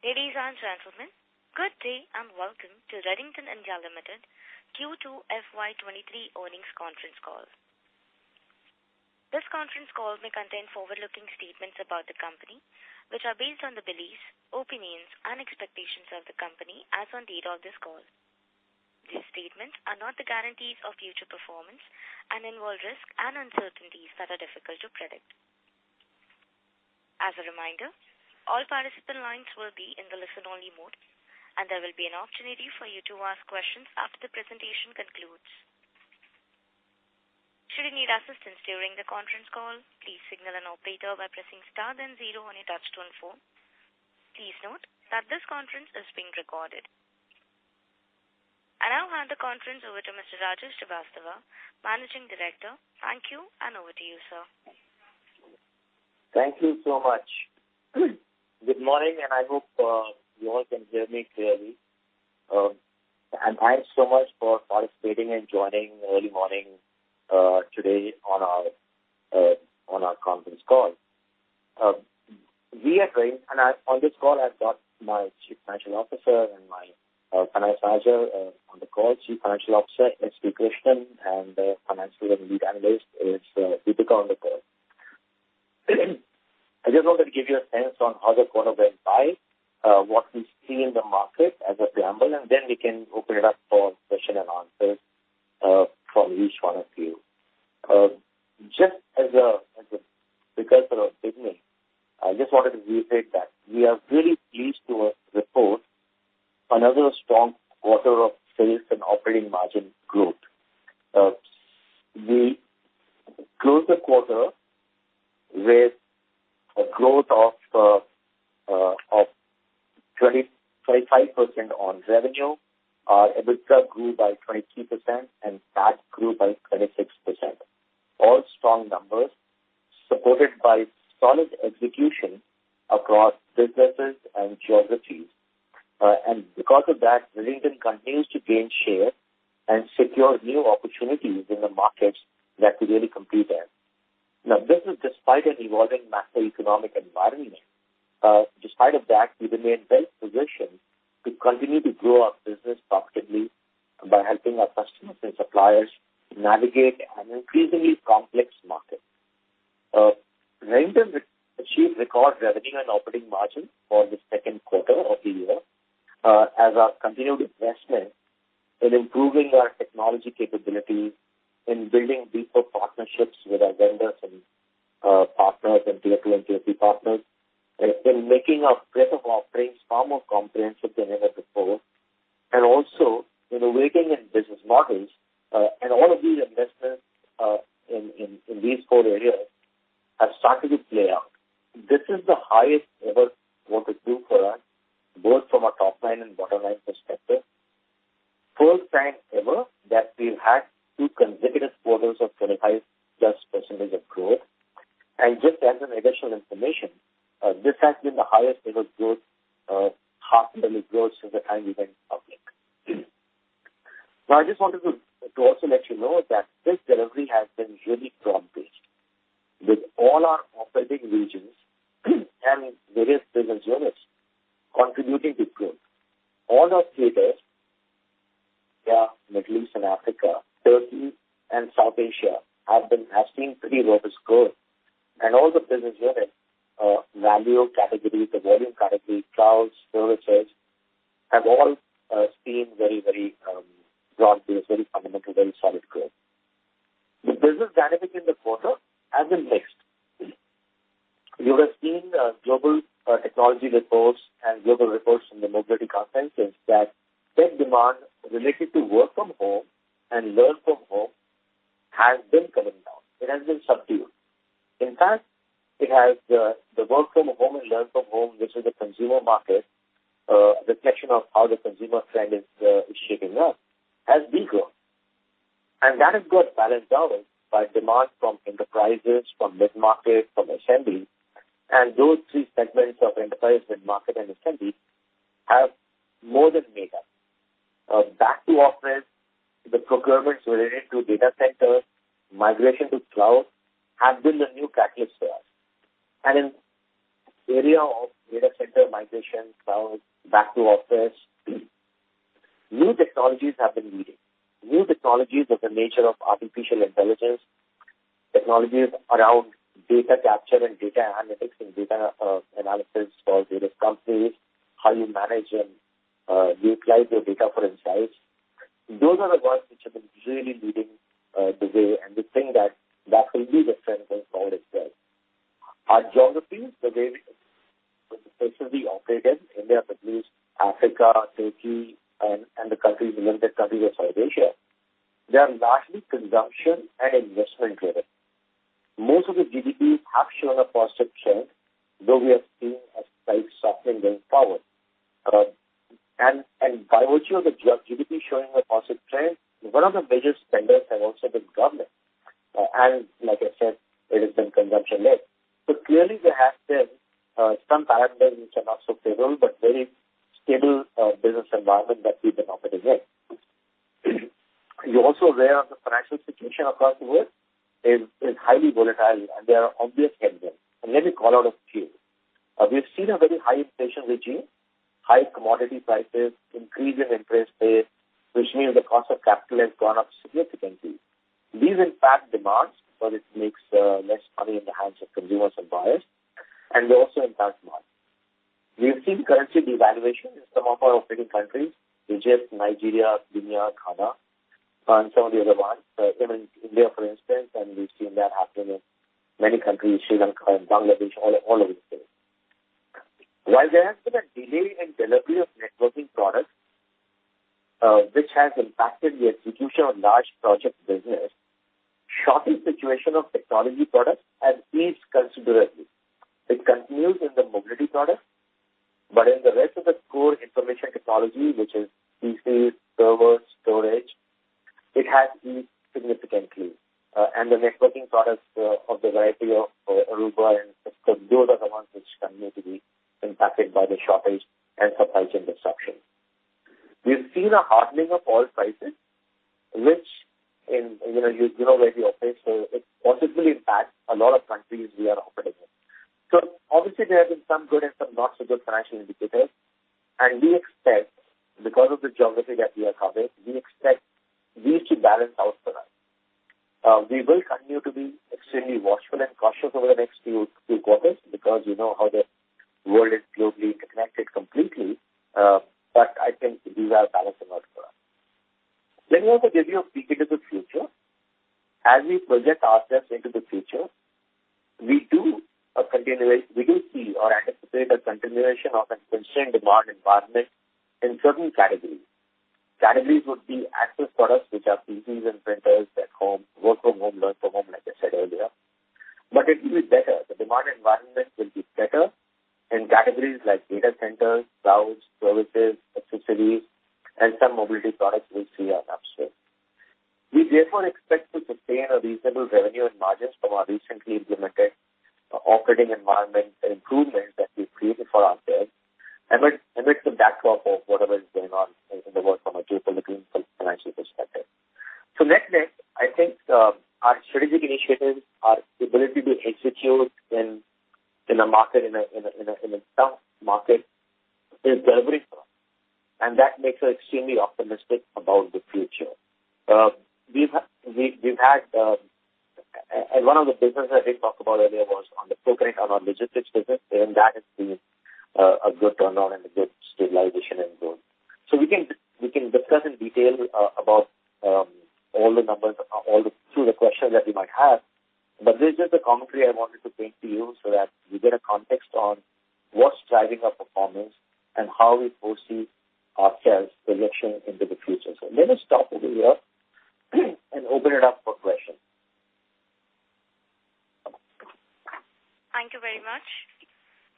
Ladies and gentlemen, good day, and welcome to Redington (India) Limited Q2 FY '23 earnings conference call. This conference call may contain forward-looking statements about the company, which are based on the beliefs, opinions, and expectations of the company as on date of this call. These statements are not the guarantees of future performance and involve risks and uncertainties that are difficult to predict. As a reminder, all participant lines will be in the listen-only mode, and there will be an opportunity for you to ask questions after the presentation concludes. Should you need assistance during the conference call, please signal an operator by pressing star then zero on your touchtone phone. Please note that this conference is being recorded. I now hand the conference over to Mr. Rajiv Srivastava, Managing Director. Thank you, and over to you, sir. Thank you so much. Good morning, and I hope you all can hear me clearly. Thanks so much for participating and joining early morning today on our conference call. On this call, I've got my Chief Financial Officer and my Finance Manager on the call. Chief Financial Officer, it's S.V. Krishnan, and Financial and Lead Analyst is Deepika on the call. I just wanted to give you a sense on how the quarter went by, what we see in the market as a preamble, and then we can open it up for question and answers from each one of you. Just as a precursor or a beginning, I just wanted to reiterate that we are really pleased to report another strong quarter of sales and operating margin growth. We closed the quarter with a growth of 25% on revenue. Our EBITDA grew by 22%, and PAT grew by 26%. All strong numbers supported by solid execution across businesses and geographies. Because of that, Redington continues to gain share and secure new opportunities in the markets that we really compete in. Now, this is despite an evolving macroeconomic environment. Despite of that, we remain well-positioned to continue to grow our business profitably by helping our customers and suppliers navigate an increasingly complex market. Redington achieved record revenue and operating margin for the second quarter of the year, as our continued investment in improving our technology capabilities, in building deeper partnerships with our vendors and partners and tier two and tier three partners, in making our breadth of offerings far more comprehensive than ever before, and also in innovating in business models. All of these investments in these four areas have started to play out. This is the highest ever quarter two for us, both from a top-line and bottom-line perspective. First time ever that we've had two consecutive quarters of 25%+ growth. Just as an additional information, this has been the highest ever growth, half yearly growth since the time we went public. Now, I just wanted to also let you know that this delivery has been really broad-based, with all our operating regions and various business units contributing to growth. All our theaters, Middle East and Africa, Turkey, and South Asia have seen pretty robust growth. All the business units, value categories, the volume categories, clouds, services, have all seen broad-based, very fundamental, very solid growth. The business dynamics in the quarter have been mixed. You have seen global technology reports and global reports from the mobility conferences that tech demand related to work from home and learn from home has been coming down. It has been subdued. In fact, the work from home and learn from home, which is the consumer market reflection of how the consumer trend is shaping up, has de-grown. That is got balanced out by demand from enterprises, from mid-market, from SMB. Those three segments of enterprise, mid-market, and SMB have more than made up. Back to office, the procurements related to data centers, migration to cloud have been the new catalyst for us. In area of data center migration, cloud, back to office, new technologies have been leading. New technologies of the nature of artificial intelligence, technologies around data capture and data analytics and data, analysis for various companies, how you manage and, utilize your data for insights. Those are the ones which have been really leading, the way, and we think that that will be the trend going forward as well. Our geographies, the places we operate in, India, Middle East, Africa, Turkey, and the countries, limited countries of South Asia, they are largely consumption and investment-driven. Most of the GDPs have shown a positive trend, though we are seeing a slight softening going forward. By virtue of the GDP showing a positive trend, one of the major spenders have also been government. Like I said, it has been consumption-led. Clearly, there has been some parameters which are not so favorable, but very stable business environment that we've been operating in. You're also aware of the financial situation across the world is highly volatile, and there are obvious headwinds. Let me call out a few. We've seen a very high inflation regime, high commodity prices, increase in interest rates, which means the cost of capital has gone up significantly. These impact demand, but it makes less money in the hands of consumers and buyers, and they also impact margins. We've seen currency devaluation in some of our operating countries, which is Nigeria, India, Ghana, and some of the other ones. Even India, for instance, and we've seen that happen in many countries, Sri Lanka and Bangladesh, all over the place. While there has been a delay in delivery of networking products, which has impacted the execution of large project business, shortage situation of technology products has eased considerably. It continues in the mobility products, but in the rest of the core information technology, which is PCs, servers, storage, it has eased significantly. The networking products of the variety of Aruba and Cisco, those are the ones which continue to be impacted by the shortage and supply chain disruptions. We've seen a hardening of oil prices. You know where we operate, so it possibly impacts a lot of countries we are operating in. Obviously, there have been some good and some not so good financial indicators. We expect, because of the geography that we are covering, we expect these to balance out for us. We will continue to be extremely watchful and cautious over the next few quarters because you know how the world is globally interconnected completely. I think these are balancing out for us. Let me also give you a peek into the future. As we project ourselves into the future, we do see or anticipate a continuation of a constrained demand environment in certain categories. Categories would be access products which are PCs and printers at home, work from home, learn from home, like I said earlier. It will be better. The demand environment will be better in categories like data centers, clouds, services, accessories, and some mobility products will see an upswing. We therefore expect to sustain a reasonable revenue and margins from our recently implemented operating environment improvements that we've created for ourselves amidst the backdrop of whatever is going on in the world from a geopolitical and financial perspective. Net-net, I think, our strategic initiatives, our ability to execute in a tough market is delivering for us, and that makes us extremely optimistic about the future. We've had one of the business I did talk about earlier was on the ProConnect, on our logistics business, and that has been a good turnout and a good stabilization in growth. We can discuss in detail about all the numbers through the questions that you might have, but this is the commentary I wanted to paint to you so that you get a context on what's driving our performance and how we foresee our sales projection into the future. Let me stop over here and open it up for questions. Thank you very much.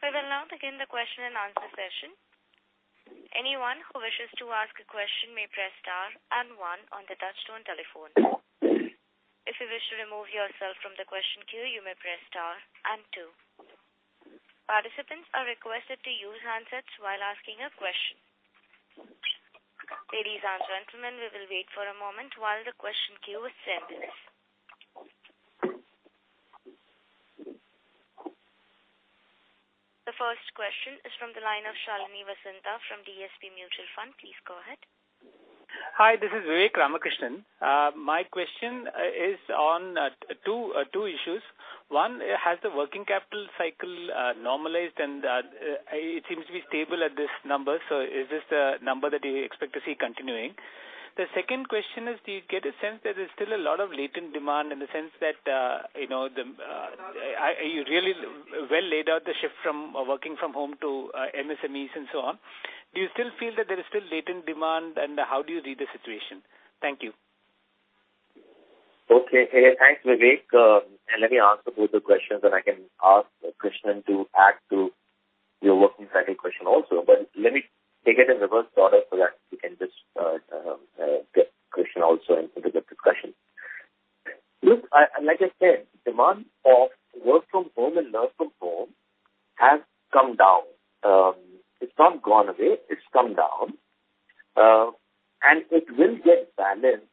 We will now begin the question-and-answer session. Anyone who wishes to ask a question may press star and one on the touchtone telephone. If you wish to remove yourself from the question queue, you may press star and two. Participants are requested to use handsets while asking a question. Ladies and gentlemen, we will wait for a moment while the question queue is cleared. The first question is from the line of Shalini Vasanta from DSP Mutual Fund. Please go ahead. Hi. This is Vivek Ramakrishnan. My question is on two issues. One, has the working capital cycle normalized and it seems to be stable at this number. Is this the number that you expect to see continuing? The second question is, do you get a sense that there's still a lot of latent demand in the sense that, you know, are you really well laid out the shift from working from home to MSMEs and so on? Do you still feel that there is still latent demand, and how do you read the situation? Thank you. Okay. Thanks, Vivek. Let me answer both the questions, and I can ask Krishnan to add to your working capital question also. Let me take it in reverse order so that we can just get Krishnan also into the discussion. Look, like I said, demand for work from home and learn from home has come down. It's not gone away, it's come down. It will get balanced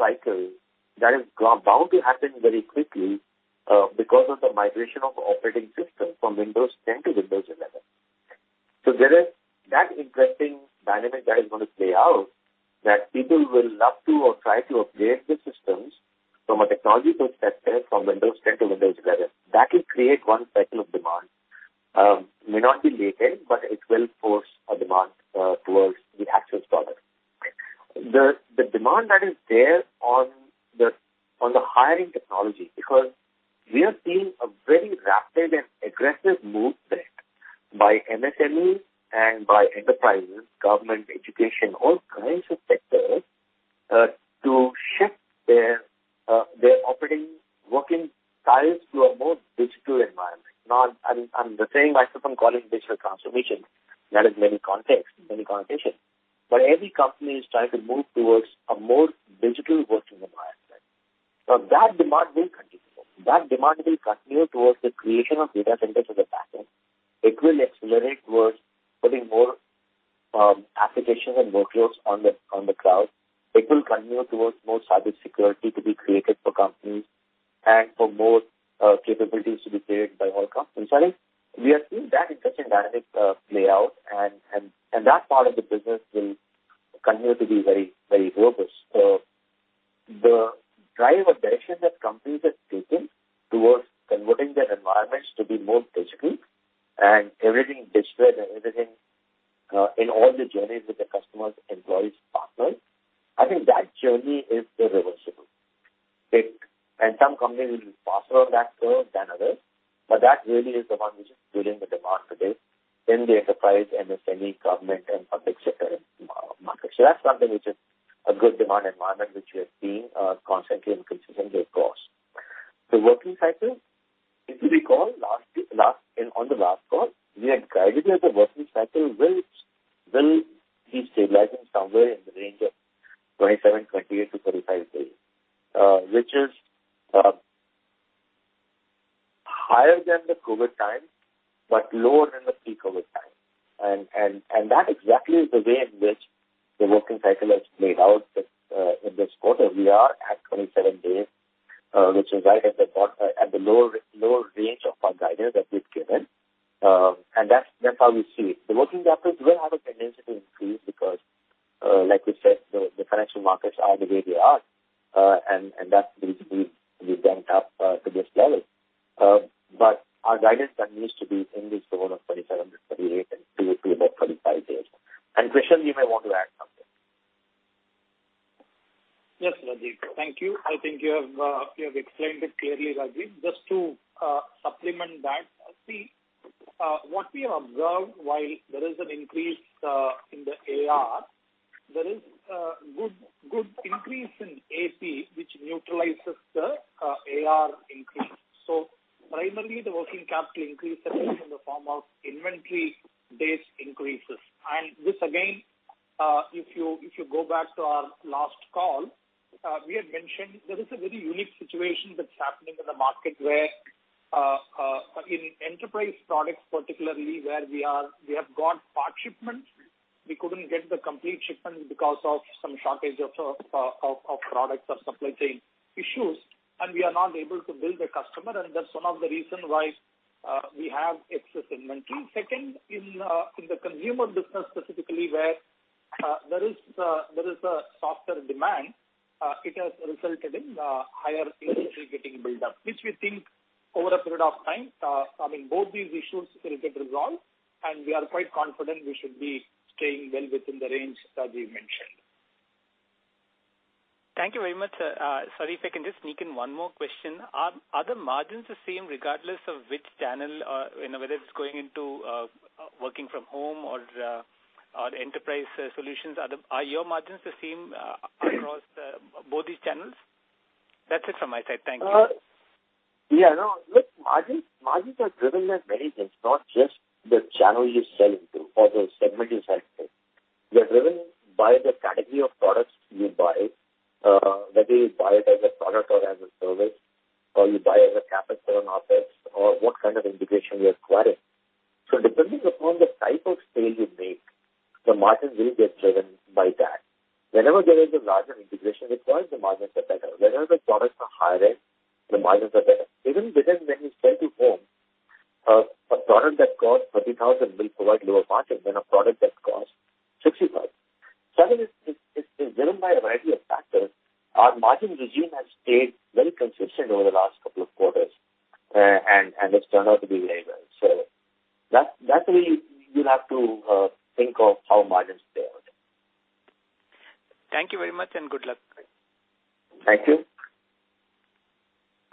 over the short run through a refresh cycle that is bound to happen very quickly, because of the migration of operating system from Windows 10 to Windows 11. There is that interesting dynamic that is gonna play out, that people will love to or try to upgrade their systems from a technology perspective but lower than the pre-COVID time. That exactly is the way in which the working cycle has played out in this quarter. We are at 27 days, which is right at the lower range of our guidance that we've given. That's how we see it. The working capital will have a tendency to increase because, like we said, the financial markets are the way they are, and that's the reason we went up to this level. Our guidance continues to be in this zone of 27 to 28 and to about 35 days. Krishnan, you may want to add something. Yes, Rajiv. Thank you. I think you have explained it clearly, Rajiv. Just to supplement that, see what we have observed while there is an increase in the AR, there is a good increase in AP, which neutralizes the AR increase. Primarily, the working capital increase has been in the form of inventory days increases. This again, if you go back to our last call, we had mentioned there is a very unique situation that's happening in the market where in enterprise products particularly where we have got part shipments. We couldn't get the complete shipments because of some shortage of products or supply chain issues, and we are not able to bill the customer. That's one of the reason why we have excess inventory. Second, in the consumer business specifically, where there is a softer demand, it has resulted in higher inventory getting built up, which we think over a period of time, I mean, both these issues will get resolved, and we are quite confident we should be staying well within the range that we mentioned. Thank you very much. Sorry if I can just sneak in one more question. Are the margins the same regardless of which channel, you know, whether it's going into working from home or enterprise solutions? Are your margins the same across both these channels? That's it from my side. Thank you. Yeah, no. Look, margins are driven by many things, not just the channel you sell into or the segment you sell to. They're driven by the category of products you buy, whether you buy it as a product or as a service, or you buy as a capital expense or what kind of integration you are acquiring. Depending upon the type of sale you make, the margins will get driven by that. Whenever there is a larger integration required, the margins are better. Whenever the products are higher, the margins are better. Even when you sell to home, a product that costs 30,000 will provide lower margin than a product that costs 65,000. I mean, it's driven by a variety of factors. Our margin regime has stayed very consistent over the last couple of quarters. It's turned out to be very well. That way you'll have to think of how margins play out. Thank you very much, and good luck. Thank you.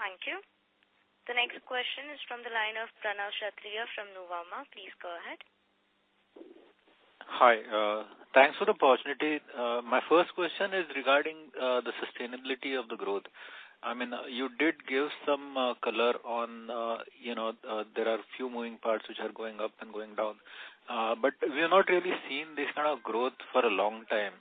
Thank you. The next question is from the line of Pranav Kshatriya from Nuvama. Please go ahead. Hi. Thanks for the opportunity. My first question is regarding the sustainability of the growth. I mean, you did give some color on, you know, there are a few moving parts which are going up and going down. But we have not really seen this kind of growth for a long time.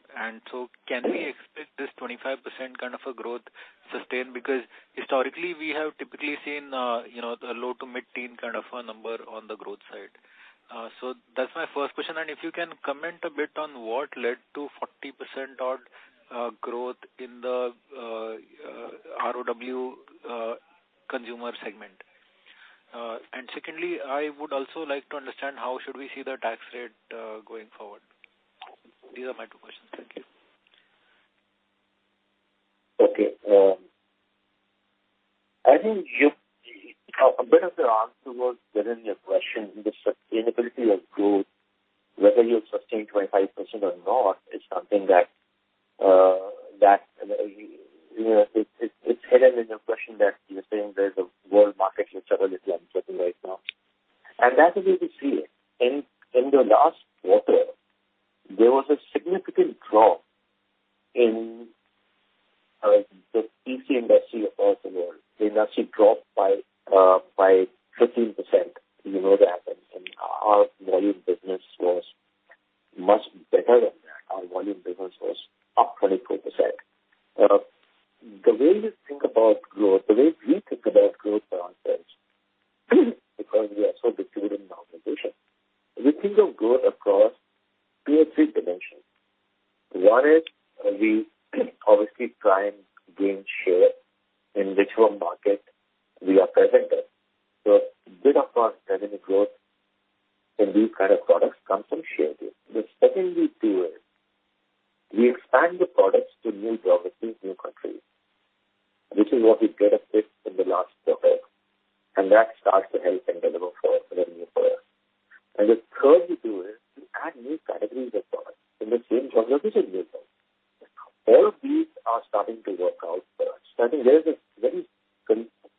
Can we expect this 25% kind of a growth sustained? Because historically, we have typically seen, you know, the low to mid-teen kind of a number on the growth side. So that's my first question. And if you can comment a bit on what led to 40% odd growth in the ROW consumer segment. And secondly, I would also like to understand how should we see the tax rate going forward. These are my two questions. Thank you. Okay. I think a bit of the answer was within your question. The sustainability of growth, whether you sustain 25% or not, is something that, you know, it's hidden in your question that you're saying there's a world market which is a little uncertain right now. That is where we see it. In the last quarter, there was a significant drop in the PC industry across the world. It actually dropped by 15%. You know that happened. Our volume business was much better than that. Our volume business was up 24%. The way we think about growth for ourselves because we are so matured in our position, we think of growth across two or three dimensions. One is we obviously try and gain share in which one market we are present in. Bit of our organic growth in these kind of products comes from share deals. The second we do is we expand the products to new geographies, new countries. This is what we benefit from the last quarter, and that starts to help and deliver for us in a new quarter. The third we do is we add new categories of products in the same geographies as before. All of these are starting to work out for us. I think there is a very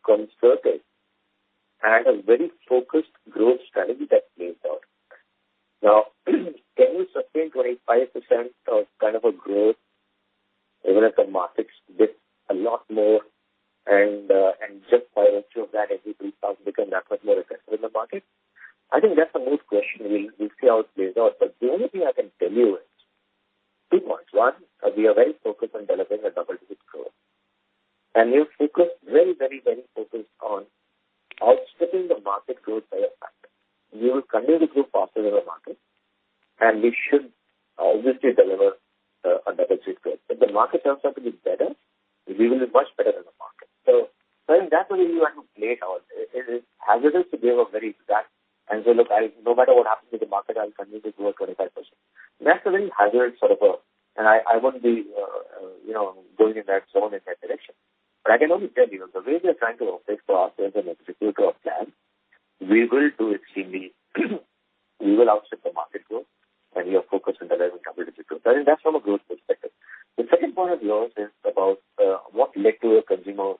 concerted and a very focused growth strategy that plays out. Now, can we sustain 25% of kind of a growth even if the markets dip a lot more and and just by virtue of that HP becomes that much more successful in the market? I think that's a moot question. We'll see how it plays out. The only thing I can tell you is two points. One, we are very focused on delivering a double-digit growth. We're very focused on outstripping the market growth by a factor. We will continue to grow faster than the market, and we should obviously deliver a double-digit growth. If the market turns out to be better, we will be much better than the market. I think that's the way we want to play it out. It is hazardous to give a very exact and say, "Look, I no matter what happens with the market, I will continue to grow at 25%." That's a very hazardous sort of a, and I wouldn't be, you know, going in that zone, in that direction. I can only tell you the way we are trying to operate for ourselves and execute our plan, we will outstrip the market growth, and we are focused on delivering double-digit growth. I think that's from a growth perspective. The second point of yours is about what led to a consumer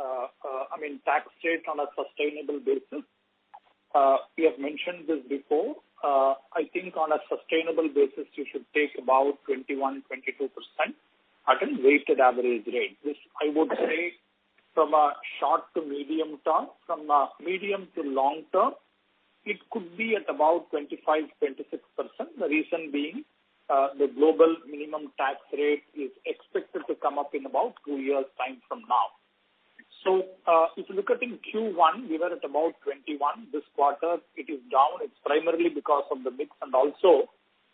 I mean, tax rate on a sustainable basis, we have mentioned this before. I think on a sustainable basis, you should take about 21%-22% at a weighted average rate. This I would say from a short to medium term. From a medium to long term, it could be at about 25%-26%. The reason being, the global minimum tax rate is expected to come up in about two years' time from now. If you look at in Q1, we were at about 21%. This quarter it is down. It's primarily because of the mix and also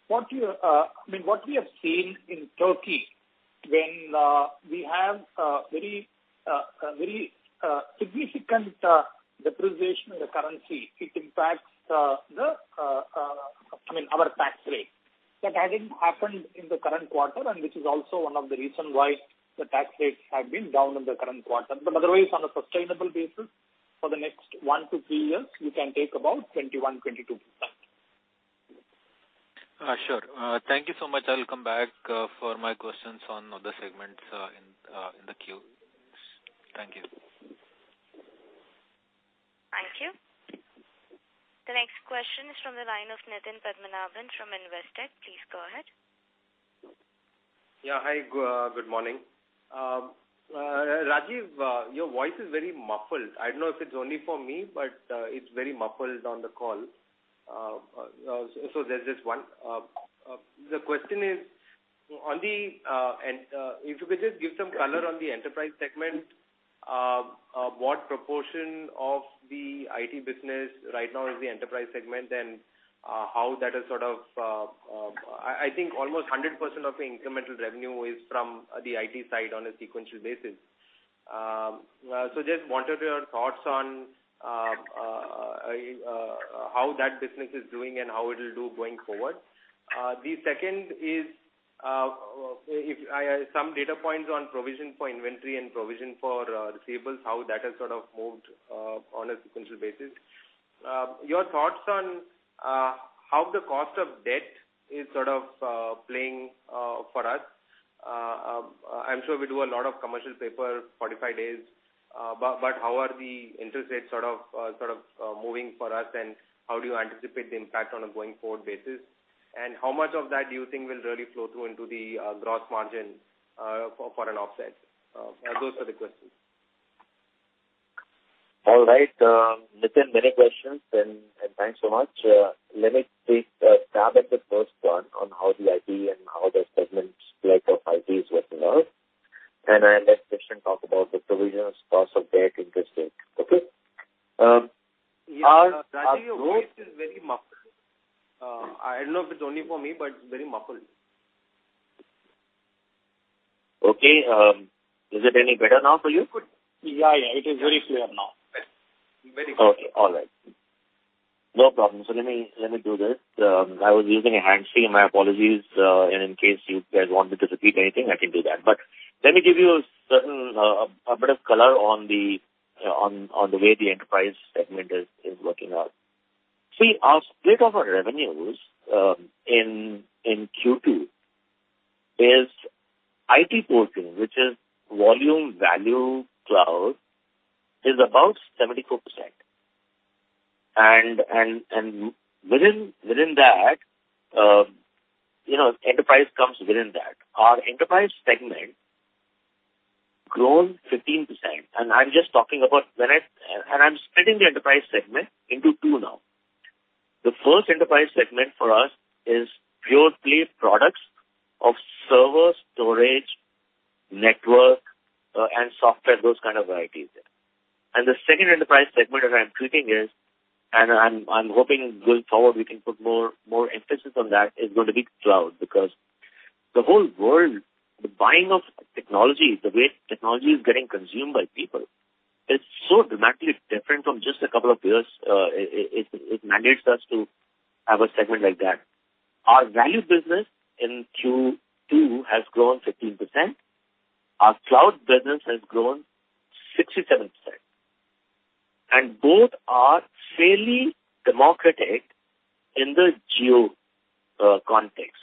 what you, I mean, what we have seen in Turkey when we have very significant depreciation in the currency. It impacts, I mean, our tax rate. That hasn't happened in the current quarter, and which is also one of the reason why the tax rates have been down in the current quarter. Otherwise on a sustainable basis for the next one to three years, you can take about 21%-22%. Sure. Thank you so much. I'll come back for my questions on other segments in the queue. Thank you. Thank you. The next question is from the line of Nitin Padmanabhan from Investec. Please go ahead. Yeah. Hi. Good morning. Rajiv, your voice is very muffled. I don't know if it's only for me, but it's very muffled on the call. So there's this one. The question is on the, if you could just give some color on the enterprise segment. What proportion of the IT business right now is the enterprise segment and how that is sort of, I think almost 100% of the incremental revenue is from the IT side on a sequential basis. So just wanted your thoughts on how that business is doing and how it'll do going forward. The second is some data points on provision for inventory and provision for receivables, how that has sort of moved on a sequential basis. Your thoughts on how the cost of debt is sort of playing for us. I'm sure we do a lot of commercial paper 45 days. But how are the interest rates sort of moving for us, and how do you anticipate the impact on a going forward basis? How much of that do you think will really flow through into the gross margin for an offset? Those are the questions. All right. Nitin, many questions and thanks so much. Let me take a stab at the first one on how the IT and how the segment split of IT is working out. I'll let Krishnan talk about the provision of cost of debt interest rate. Okay? Yeah. Rajiv, your voice is very muffled. I don't know if it's only for me, but it's very muffled. Okay. Is it any better now for you? Good. Yeah, yeah. It is very clear now. Very clear. Okay. All right. No problem. Let me do this. I was using a hands-free. My apologies. In case you guys want me to repeat anything, I can do that. Let me give you a certain, a bit of color on the way the enterprise segment is working out. See, our split of our revenues in Q2 is IT portion, which is volume, value, cloud, is about 74%. Within that, you know, enterprise comes within that. Our enterprise segment grown 15%. I'm splitting the enterprise segment into two now. The first enterprise segment for us is purely products of server, storage, network, and software, those kind of varieties there. The second enterprise segment that I'm treating is, and I'm hoping going forward we can put more emphasis on that, is going to be cloud. Because the whole world, the buying of technology, the way technology is getting consumed by people is so dramatically different from just a couple of years. It mandates us to have a segment like that. Our value business in Q2 has grown 15%. Our cloud business has grown 67%. And both are fairly democratic in the geo context.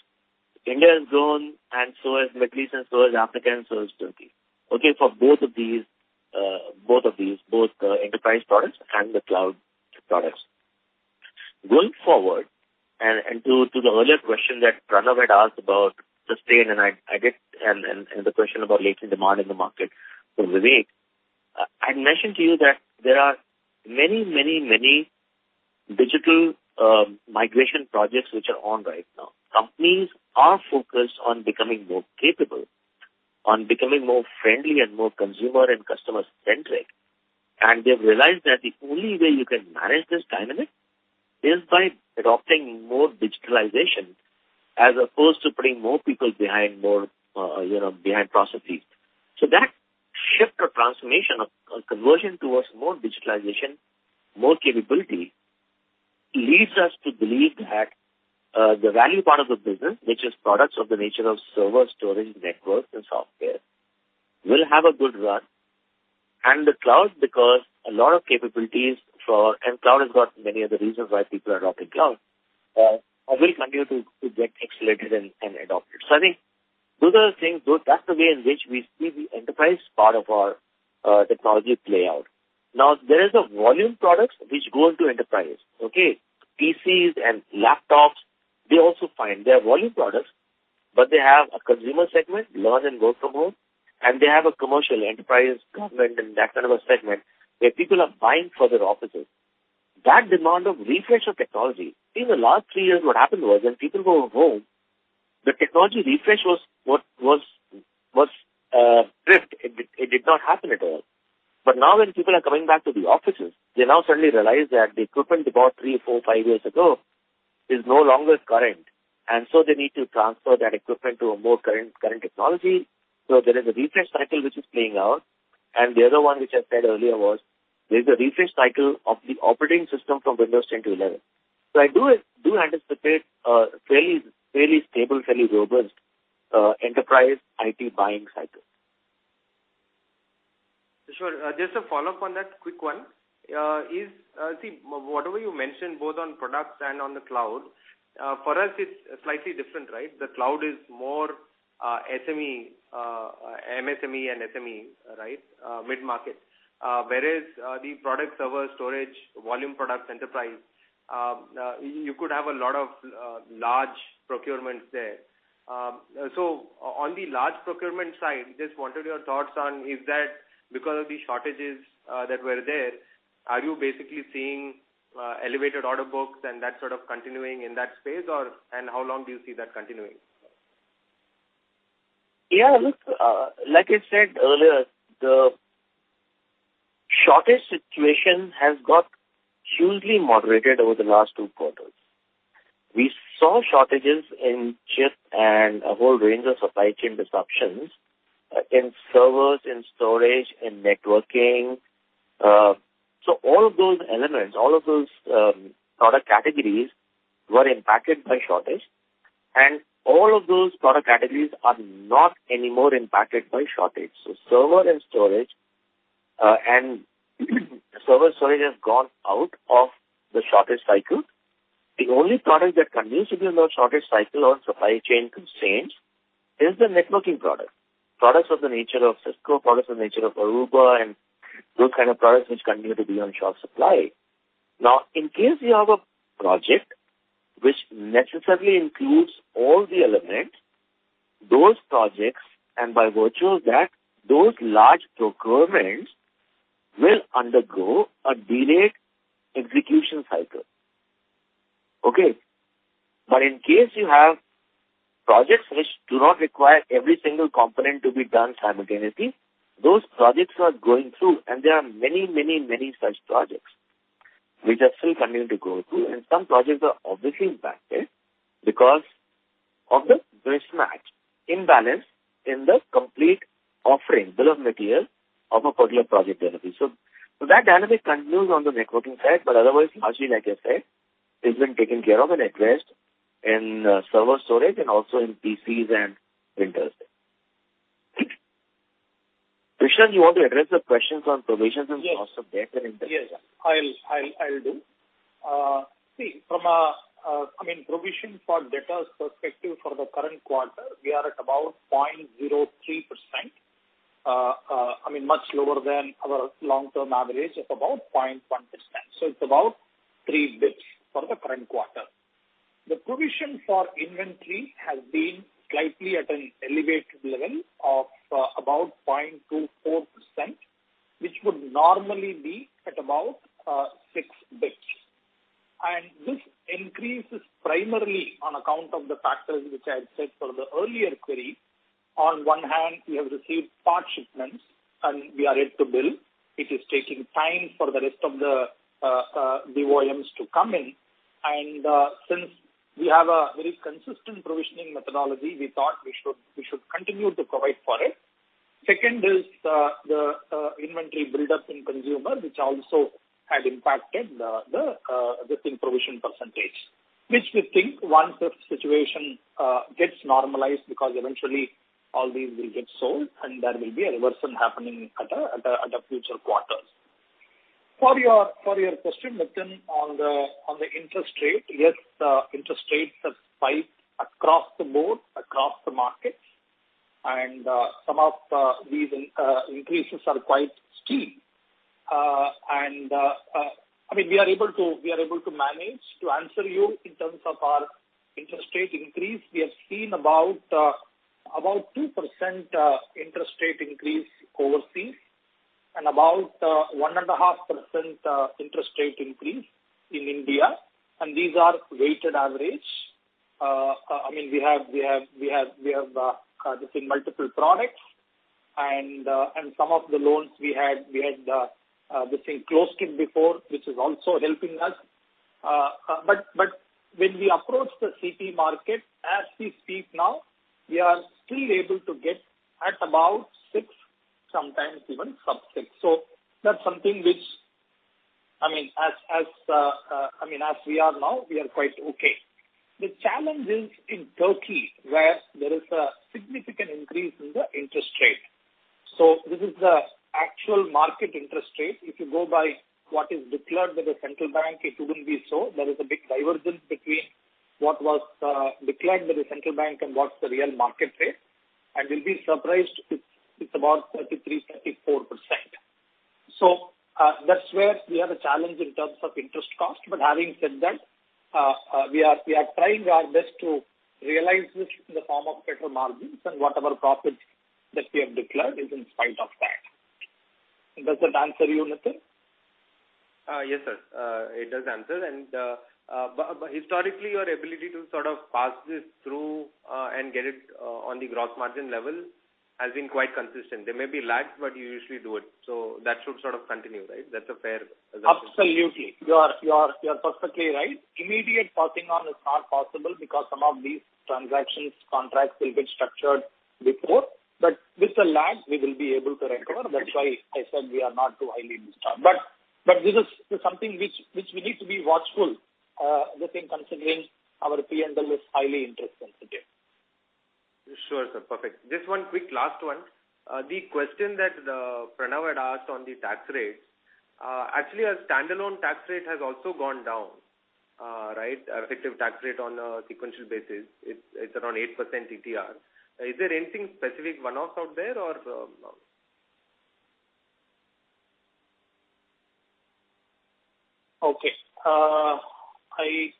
India has grown, and so has Middle East, and so has Africa, and so has Turkey. For both of these. Both enterprise products and the cloud products. Going forward, to the earlier question that Pranav had asked about sustain, and the question about latent demand in the market from Vivek. I mentioned to you that there are many digital migration projects which are on right now. Companies are focused on becoming more capable, on becoming more friendly and more consumer and customer-centric. They've realized that the only way you can manage this dynamic is by adopting more digitalization as opposed to putting more people behind processes. That shift or transformation of conversion towards more digitalization, more capability, leads us to believe that the value part of the business, which is products of the nature of server, storage, network and software, will have a good run. The cloud, because a lot of capabilities for and cloud has got many other reasons why people are adopting cloud. It will continue to get accelerated and adopted. I think those are the things. That's the way in which we see the enterprise part of our technology play out. Now, there is a volume products which go into enterprise. Okay? PCs and laptops, they also find. They are volume products, but they have a consumer segment, learn and work from home, and they have a commercial enterprise, government and that kind of a segment, where people are buying for their offices. That demand of refresh of technology. In the last three years, what happened was when people go home, the technology refresh was deferred. It did not happen at all. Now when people are coming back to the offices, they now suddenly realize that the equipment they bought three, four, five years ago is no longer current. They need to transfer that equipment to a more current technology. There is a refresh cycle which is playing out. The other one which I said earlier was, there's a refresh cycle of the operating system from Windows 10 to 11. I do anticipate a fairly stable, fairly robust enterprise IT buying cycle. Sure. Just a follow-up on that quick one. Whatever you mentioned both on products and on the cloud, for us it's slightly different, right? The cloud is more SME, MSME and SME, right? Mid-market. Whereas the product server storage, volume product enterprise, you could have a lot of large procurements there. So on the large procurement side, just wanted your thoughts on, is that because of the shortages that were there, are you basically seeing elevated order books and that sort of continuing in that space or and how long do you see that continuing? Yeah, look. Like I said earlier, the shortage situation has got hugely moderated over the last two quarters. We saw shortages in chips and a whole range of supply chain disruptions in servers, in storage, in networking. All of those elements, product categories were impacted by shortage. All of those product categories are not anymore impacted by shortage. Server and storage has gone out of the shortage cycle. The only product that continues to be in the shortage cycle or supply chain constraints is the networking product. Products of the nature of Cisco, products of the nature of Aruba and those kind of products which continue to be on short supply. Now, in case you have a project which necessarily includes all the elements, those projects, and by virtue of that, those large procurements will undergo a delayed execution cycle. Okay? In case you have projects which do not require every single component to be done simultaneously, those projects are going through, and there are many, many, many such projects which are still continuing to go through. Some projects are obviously impacted because of the mismatch, imbalance in the complete offering bill of material of a particular project delivery. That dynamic continues on the networking side, but otherwise, largely, like I said, it's been taken care of and addressed in server storage and also in PCs and printers. Krishnan, do you want to address the questions on provisions and cost of debt and interest? Yes, sir. I'll do. See, from a provision for debt perspective for the current quarter, we are at about 0.03%. I mean much lower than our long-term average of about 0.1%. It's about three basis points for the current quarter. The provision for inventory has been slightly at an elevated level of about 0.24%, which would normally be at about six basis points. This increase is primarily on account of the factors which I had said for the earlier query. On one hand, we have received part shipments, and we are yet to bill. It is taking time for the rest of the BOMs to come in. Since we have a very consistent provisioning methodology, we thought we should continue to provide for it. Second is the inventory buildup in consumer, which also had impacted the increase in provision percentage. Which we think once the situation gets normalized, because eventually all these will get sold and there will be a reversal happening at a future quarters. For your question, Nitin, on the interest rate, yes, the interest rate has spiked across the board, across the markets. Some of these increases are quite steep. I mean, we are able to manage. To answer you in terms of our interest rate increase, we have seen about 2% interest rate increase overseas and about 1.5% interest rate increase in India. These are weighted average. I mean, we have this in multiple products. Some of the loans we had this included before, which is also helping us. When we approach the CP market as we speak now, we are still able to get at about 6%, sometimes even sub-6%. That's something which I mean, as we are now, we are quite okay. The challenge is in Turkey, where there is a significant increase in the interest rate. This is the actual market interest rate. If you go by what is declared by the central bank, it wouldn't be so. There is a big divergence between what was declared by the central bank and what's the real market rate. You'll be surprised it's about 33%-34%. That's where we have a challenge in terms of interest cost. Having said that, we are trying our best to realize this in the form of better margins and whatever profits that we have declared is in spite of that. Does that answer you, Nitin? Yes, sir. It does answer. But historically, your ability to sort of pass this through, and get it, on the gross margin level has been quite consistent. There may be lags, but you usually do it. That should sort of continue, right? That's a fair assumption. Absolutely. You are perfectly right. Immediate passing on is not possible because some of these transactions, contracts will get structured before. With the lag, we will be able to recover. That's why I said we are not too highly disturbed. This is something which we need to be watchful within considering our P&L is highly interest sensitive. Sure, sir. Perfect. Just one quick last one. The question that Pranav had asked on the tax rates, actually our standalone tax rate has also gone down, right? Our effective tax rate on a sequential basis, it's around 8% ETR. Is there anything specific one-off out there or no? Okay.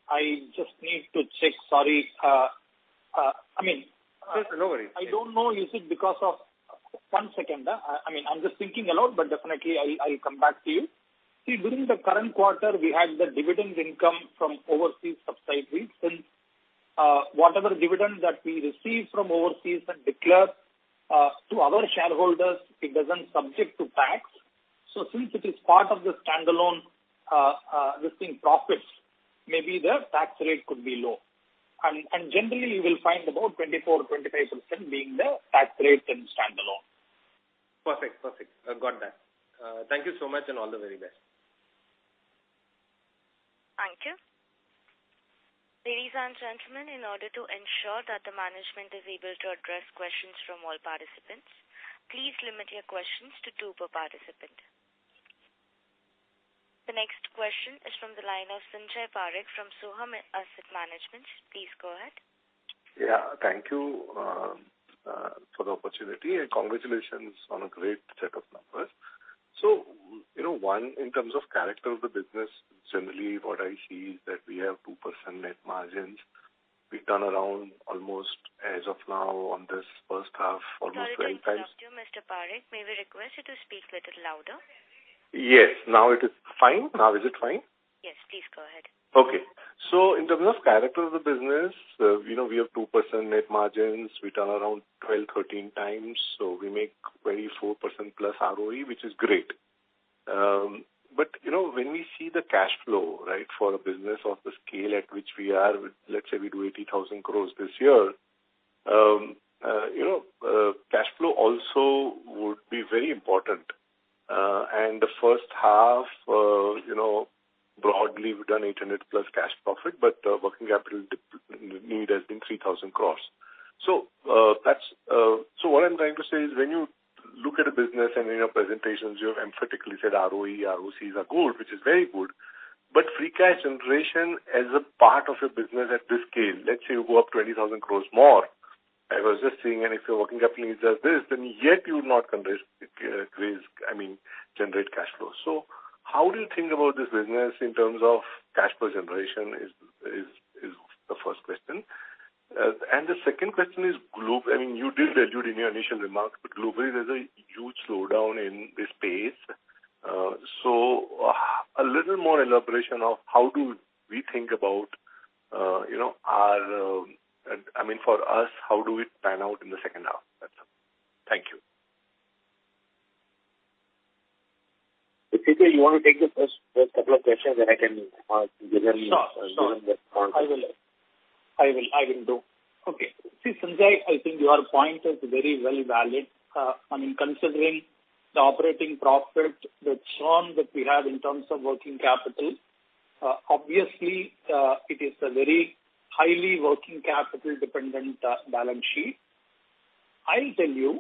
I just need to check. Sorry. I mean. Sure. No worries. I don't know. One second, I mean, I'm just thinking aloud, but definitely I'll come back to you. See, during the current quarter, we had the dividend income from overseas subsidiaries. Since whatever dividends that we receive from overseas and declare to our shareholders, it isn't subject to tax. Since it is part of the standalone profits, maybe the tax rate could be low. Generally, you will find about 24%-25% being the tax rate in standalone. Perfect. I've got that. Thank you so much, and all the very best. Thank you. Ladies and gentlemen, in order to ensure that the management is able to address questions from all participants, please limit your questions to two per participant. The next question is from the line of Sanjay Parekh from Sohum Asset Management. Please go ahead. Yeah, thank you for the opportunity, and congratulations on a great set of numbers. You know, one, in terms of character of the business, generally what I see is that we have 2% net margins. We turn around almost as of now on this first half almost 12 times. Sorry to interrupt you, Mr. Parekh. May we request you to speak little louder? Yes. Now it is fine. Now is it fine? Yes, please go ahead. Okay. In terms of character of the business, you know, we have 2% net margins. We turn around 12-13 times. We make 24%+ ROE, which is great. But, you know, when we see the cash flow, right, for a business of the scale at which we are, let's say we do 80,000 crores this year, cash flow also would be very important. The first half, you know, broadly we've done 8 net plus cash profit, but working capital need has been 3,000 crores. That's what I'm trying to say is when you look at a business and in your presentations you have emphatically said ROE, ROCs are good, which is very good. Free cash generation as a part of a business at this scale, let's say you go up 20,000 crore more. I was just seeing, if your working capital needs are this, then yet you will not generate cash flow. How do you think about this business in terms of cash flow generation? That is the first question. The second question is global. I mean, you did allude in your initial remarks, but globally there's a huge slowdown in this space. A little more elaboration of how do we think about our, you know, for us, how do we plan out in the second half? That's all. Thank you. If you say you wanna take the first couple of questions, then I can give them. Sure. Sure. I will do. Okay. See, Sanjay, I think your point is very well valid. I mean, considering the operating profit, the churn that we have in terms of working capital, obviously, it is a very highly working capital dependent balance sheet. I'll tell you,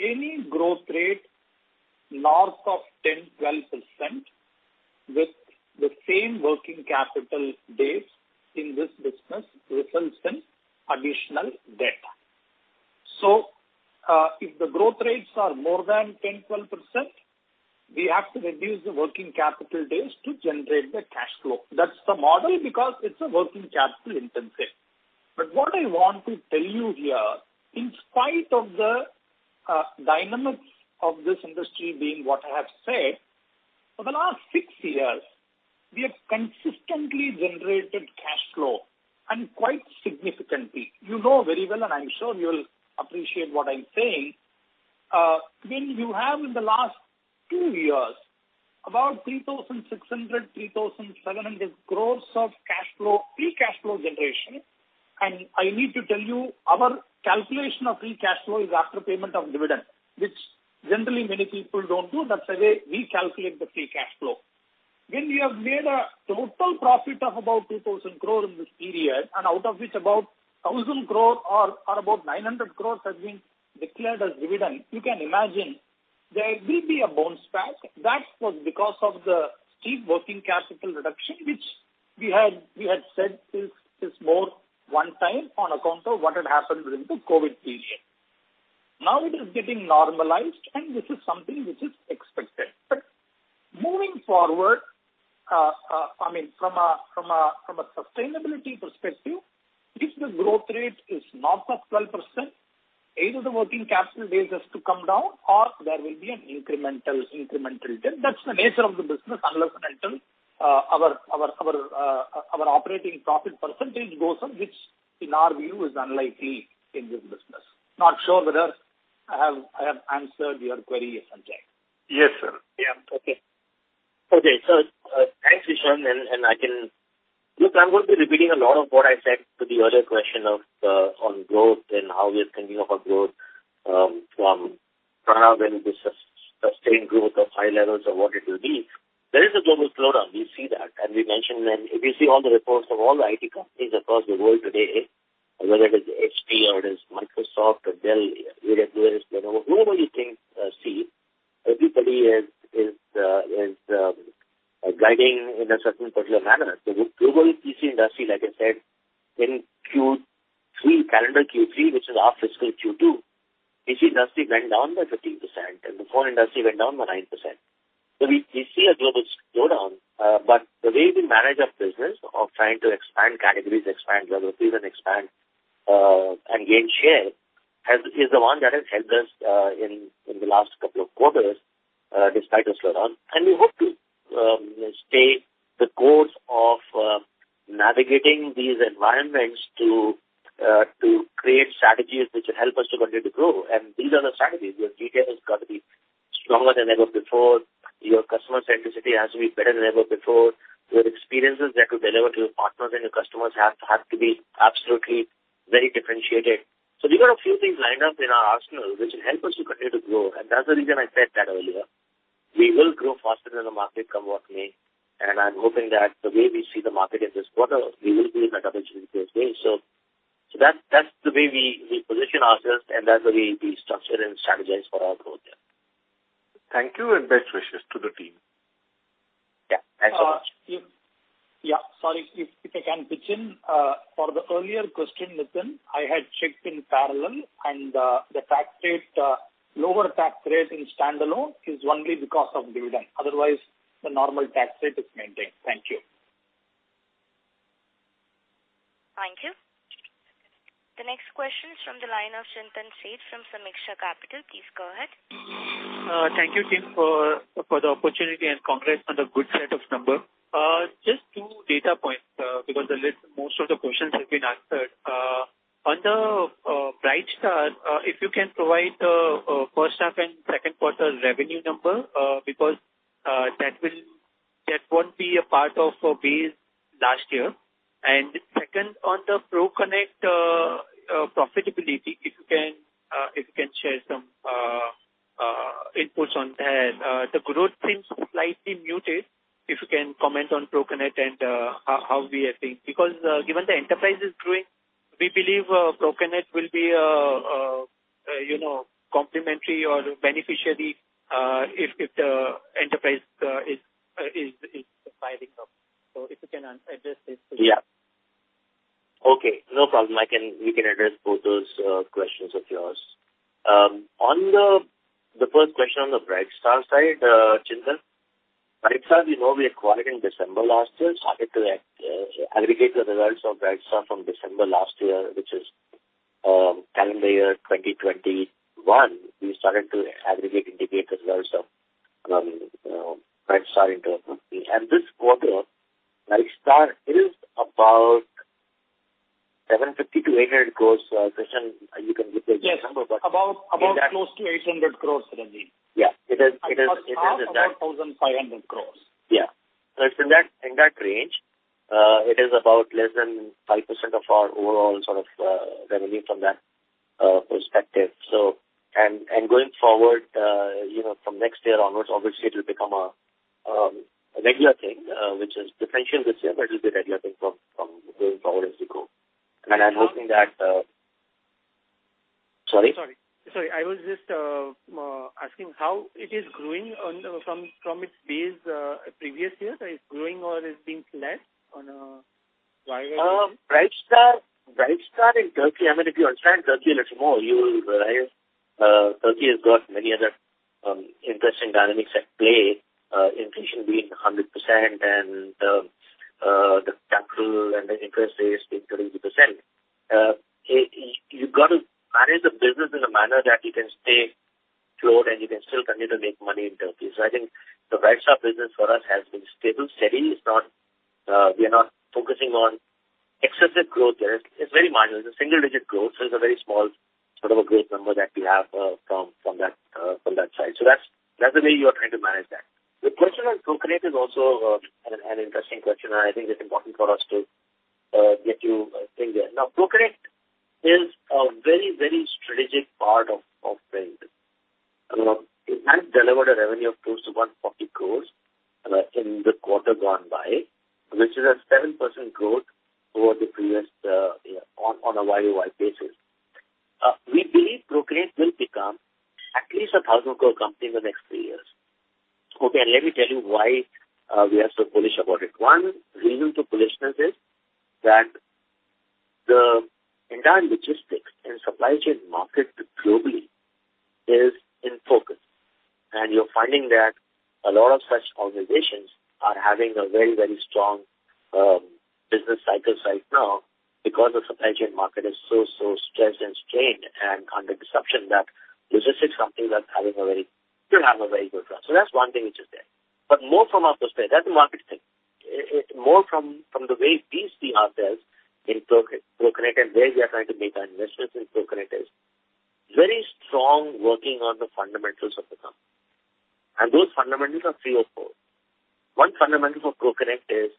any growth rate north of 10-12% with the same working capital days in this business results in additional debt. If the growth rates are more than 10-12%, we have to reduce the working capital days to generate the cash flow. That's the model because it's a working capital intensive. What I want to tell you here, in spite of the dynamics of this industry being what I have said, for the last six years, we have consistently generated cash flow and quite significantly. You know very well, and I'm sure you'll appreciate what I'm saying. When you have in the last two years about 3,600-3,700 crore of cash flow, free cash flow generation, and I need to tell you our calculation of free cash flow is after payment of dividend, which generally many people don't do. That's the way we calculate the free cash flow. When we have made a total profit of about 2,000 crore in this period, and out of which about 1,000 crore or about 900 crore has been declared as dividend. You can imagine there will be a bounce back. That was because of the steep working capital reduction which we had said this more one time on account of what had happened during the COVID period. Now it is getting normalized and this is something which is expected. Moving forward, I mean, from a sustainability perspective, if the growth rate is north of 12%, either the working capital days has to come down or there will be an incremental debt. That's the nature of the business unless and until our operating profit percentage goes up, which in our view is unlikely in this business. Not sure whether I have answered your query, Sanjay. Yes, sir. Yeah. Okay. Okay. Thanks, S.V. Krishnan. Look, I'm going to be repeating a lot of what I said to the other question on growth and how we are thinking about growth from Pranav and this sustained growth of high levels or what it will be. There is a global slowdown. We see that, and we mentioned, and if you see all the reports of all the IT companies across the world today, whether it is HP or it is Microsoft or Dell, VMware, Lenovo, whoever you think, see, everybody is guiding in a certain particular manner. The global PC industry, like I said, in Q3, calendar Q3, which is our fiscal Q2, PC industry went down by 15%, and the phone industry went down by 9%. We see a global slowdown. The way we manage our business of trying to expand categories, expand geographies and expand, and gain share is the one that has helped us in the last couple of quarters despite the slowdown. We hope to stay the course of navigating these environments to create strategies which help us to continue to grow. These are the strategies where detail has got to be stronger than ever before. Your customer centricity has to be better than ever before. Your experiences that you deliver to your partners and your customers have to be absolutely very differentiated. We got a few things lined up in our arsenal which help us to continue to grow. That's the reason I said that earlier. We will grow faster than the market come what may. I'm hoping that the way we see the market in this quarter, we will be in that position to stay. So that's the way we position ourselves, and that's the way we structure and strategize for our growth, yeah. Thank you, and best wishes to the team. Yeah. Thanks so much. If I can pitch in for the earlier question, I had checked in parallel, and the lower tax rate in standalone is only because of dividend. Otherwise, the normal tax rate is maintained. Thank you. Thank you. The next question is from the line of Chintan Sheth from Sameeksha Capital. Please go ahead. Thank you, team, for the opportunity and congrats on the good set of numbers. Just two data points because most of the questions have been answered. On the Brightstar, if you can provide first half and second quarter revenue numbers because that won't be a part of base last year. Second, on the ProConnect profitability, if you can share some inputs on that. The growth seems slightly muted, if you can comment on ProConnect and how we are seeing. Because given the enterprise is growing, we believe ProConnect will be, you know, complementary or beneficiary if the enterprise is picking up. If you can address this please. Yeah. Okay. No problem. We can address both those questions of yours. On the first question on the Brightstar side, Chintan. Brightstar, we know we acquired in December last year, started to aggregate the results of Brightstar from December last year, which is calendar year 2021. We started to aggregate and indicate the results of Brightstar into a company. This quarter, Brightstar is about 750-800 crores. Chintan, you can give the number but- Yes. About close to 800 crores revenue. Yeah. It is. About 1,500 crores. Yeah. It's in that range. It is about less than 5% of our overall sort of revenue from that perspective. Going forward, you know, from next year onwards, obviously it will become a regular thing, which is different this year, but it will be a regular thing from going forward as we go. I'm hoping that. Sorry? Sorry. I was just asking how it is growing from its base previous year. Is growing or is being flat on a year-over-year? Brightstar in Turkey, I mean, if you understand Turkey a little more, you will realize Turkey has got many other interesting dynamics at play. Inflation being 100% and the capital and the interest rates being 30%. You've got to manage the business in a manner that you can stay afloat and you can still continue to make money in Turkey. I think the Brightstar business for us has been stable, steady. It's not, we are not focusing on excessive growth there. It's very minor. It's a single-digit growth. It's a very small sort of a growth number that we have from that side. That's the way you are trying to manage that. The question on ProConnect is also an interesting question, and I think it's important for us to get you in there. Now, ProConnect is a very strategic part of Redington. It has delivered a revenue of close to 140 crores in the quarter gone by, which is a 7% growth over the previous year on a year-over-year basis. We believe ProConnect will become at least a 1,000 crore company in the next three years. Okay. Let me tell you why we are so bullish about it. One reason for bullishness is that the entire logistics and supply chain market globally is in focus. You're finding that a lot of such organizations are having a very, very strong business cycles right now because the supply chain market is so stressed and strained and under the assumption that logistics is something that's having a very good run. That's one thing which is there. But more from our perspective, that's a market thing. More from the way we see ourselves in ProConnect and where we are trying to make our investments in ProConnect is very strong working on the fundamentals of the company. Those fundamentals are three or four. One fundamental for ProConnect is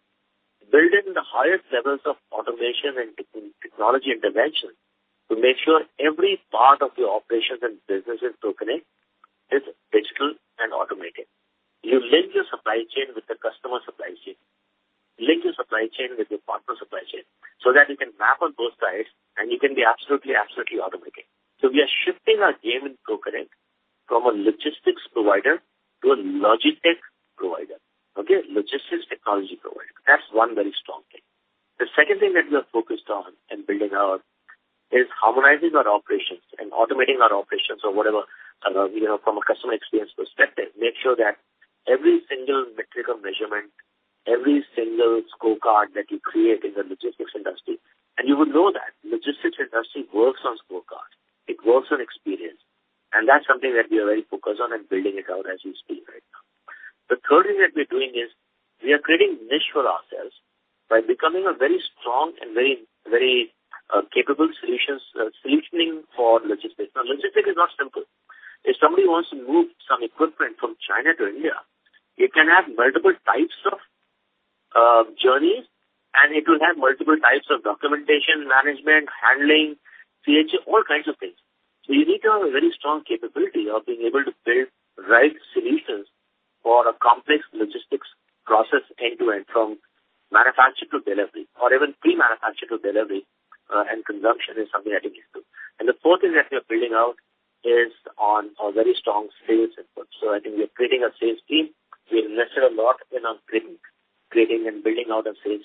building the highest levels of automation and technology intervention to make sure every part of the operations and business in ProConnect is digital and automated. You link your supply chain with the customer supply chain, link your supply chain with your partner supply chain, so that you can map on both sides, and you can be absolutely automated. We are shifting our game in ProConnect from a logistics provider to a logistics technology provider. That's one very strong thing. The second thing that we are focused on in building out is harmonizing our operations and automating our operations or whatever, you know, from a customer experience perspective. Make sure that every single metric of measurement, every single scorecard that you create in the logistics industry. You would know that logistics industry works on scorecards. It works on experience. That's something that we are very focused on and building it out as we speak. The third thing that we're doing is we are creating niche for ourselves by becoming a very strong and very capable solutions, solutioning for logistics. Now, logistics is not simple. If somebody wants to move some equipment from China to India, it can have multiple types of journeys, and it will have multiple types of documentation, management, handling, PH, all kinds of things. So you need to have a very strong capability of being able to build the right solutions for a complex logistics process end-to-end, from manufacture to delivery or even pre-manufacture to delivery, and consumption is something that it gives to. The fourth thing that we are building out is on a very strong sales input. So I think we are creating a sales team. We invested a lot in creating and building out a sales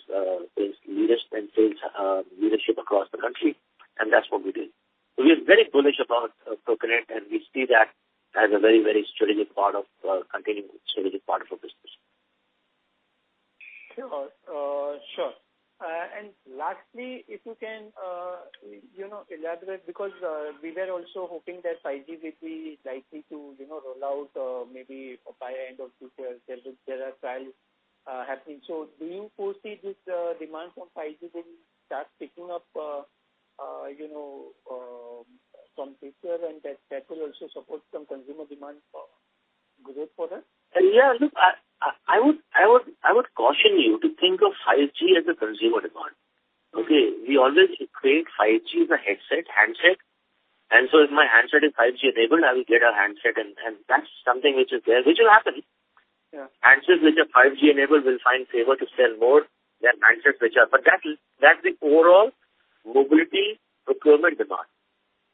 leadership across the country, and that's what we did. We are very bullish about procurement, and we see that as a very, very strategic and continuing part of our business. Sure. Lastly, if you can, you know, elaborate because we were also hoping that 5G will be likely to, you know, roll out, maybe by end of this year. There are trials happening. Do you foresee this demand from 5G will start picking up, you know, from this year, and that could also support some consumer demand for growth for that? Yeah. Look, I would caution you to think of 5G as a consumer demand, okay? We always equate 5G with a handset, and so if my handset is 5G enabled, I will get a handset and that's something which is there, which will happen. Yeah. Handsets which are 5G enabled will find favor to sell more than handsets which are. That's the overall mobility procurement demand.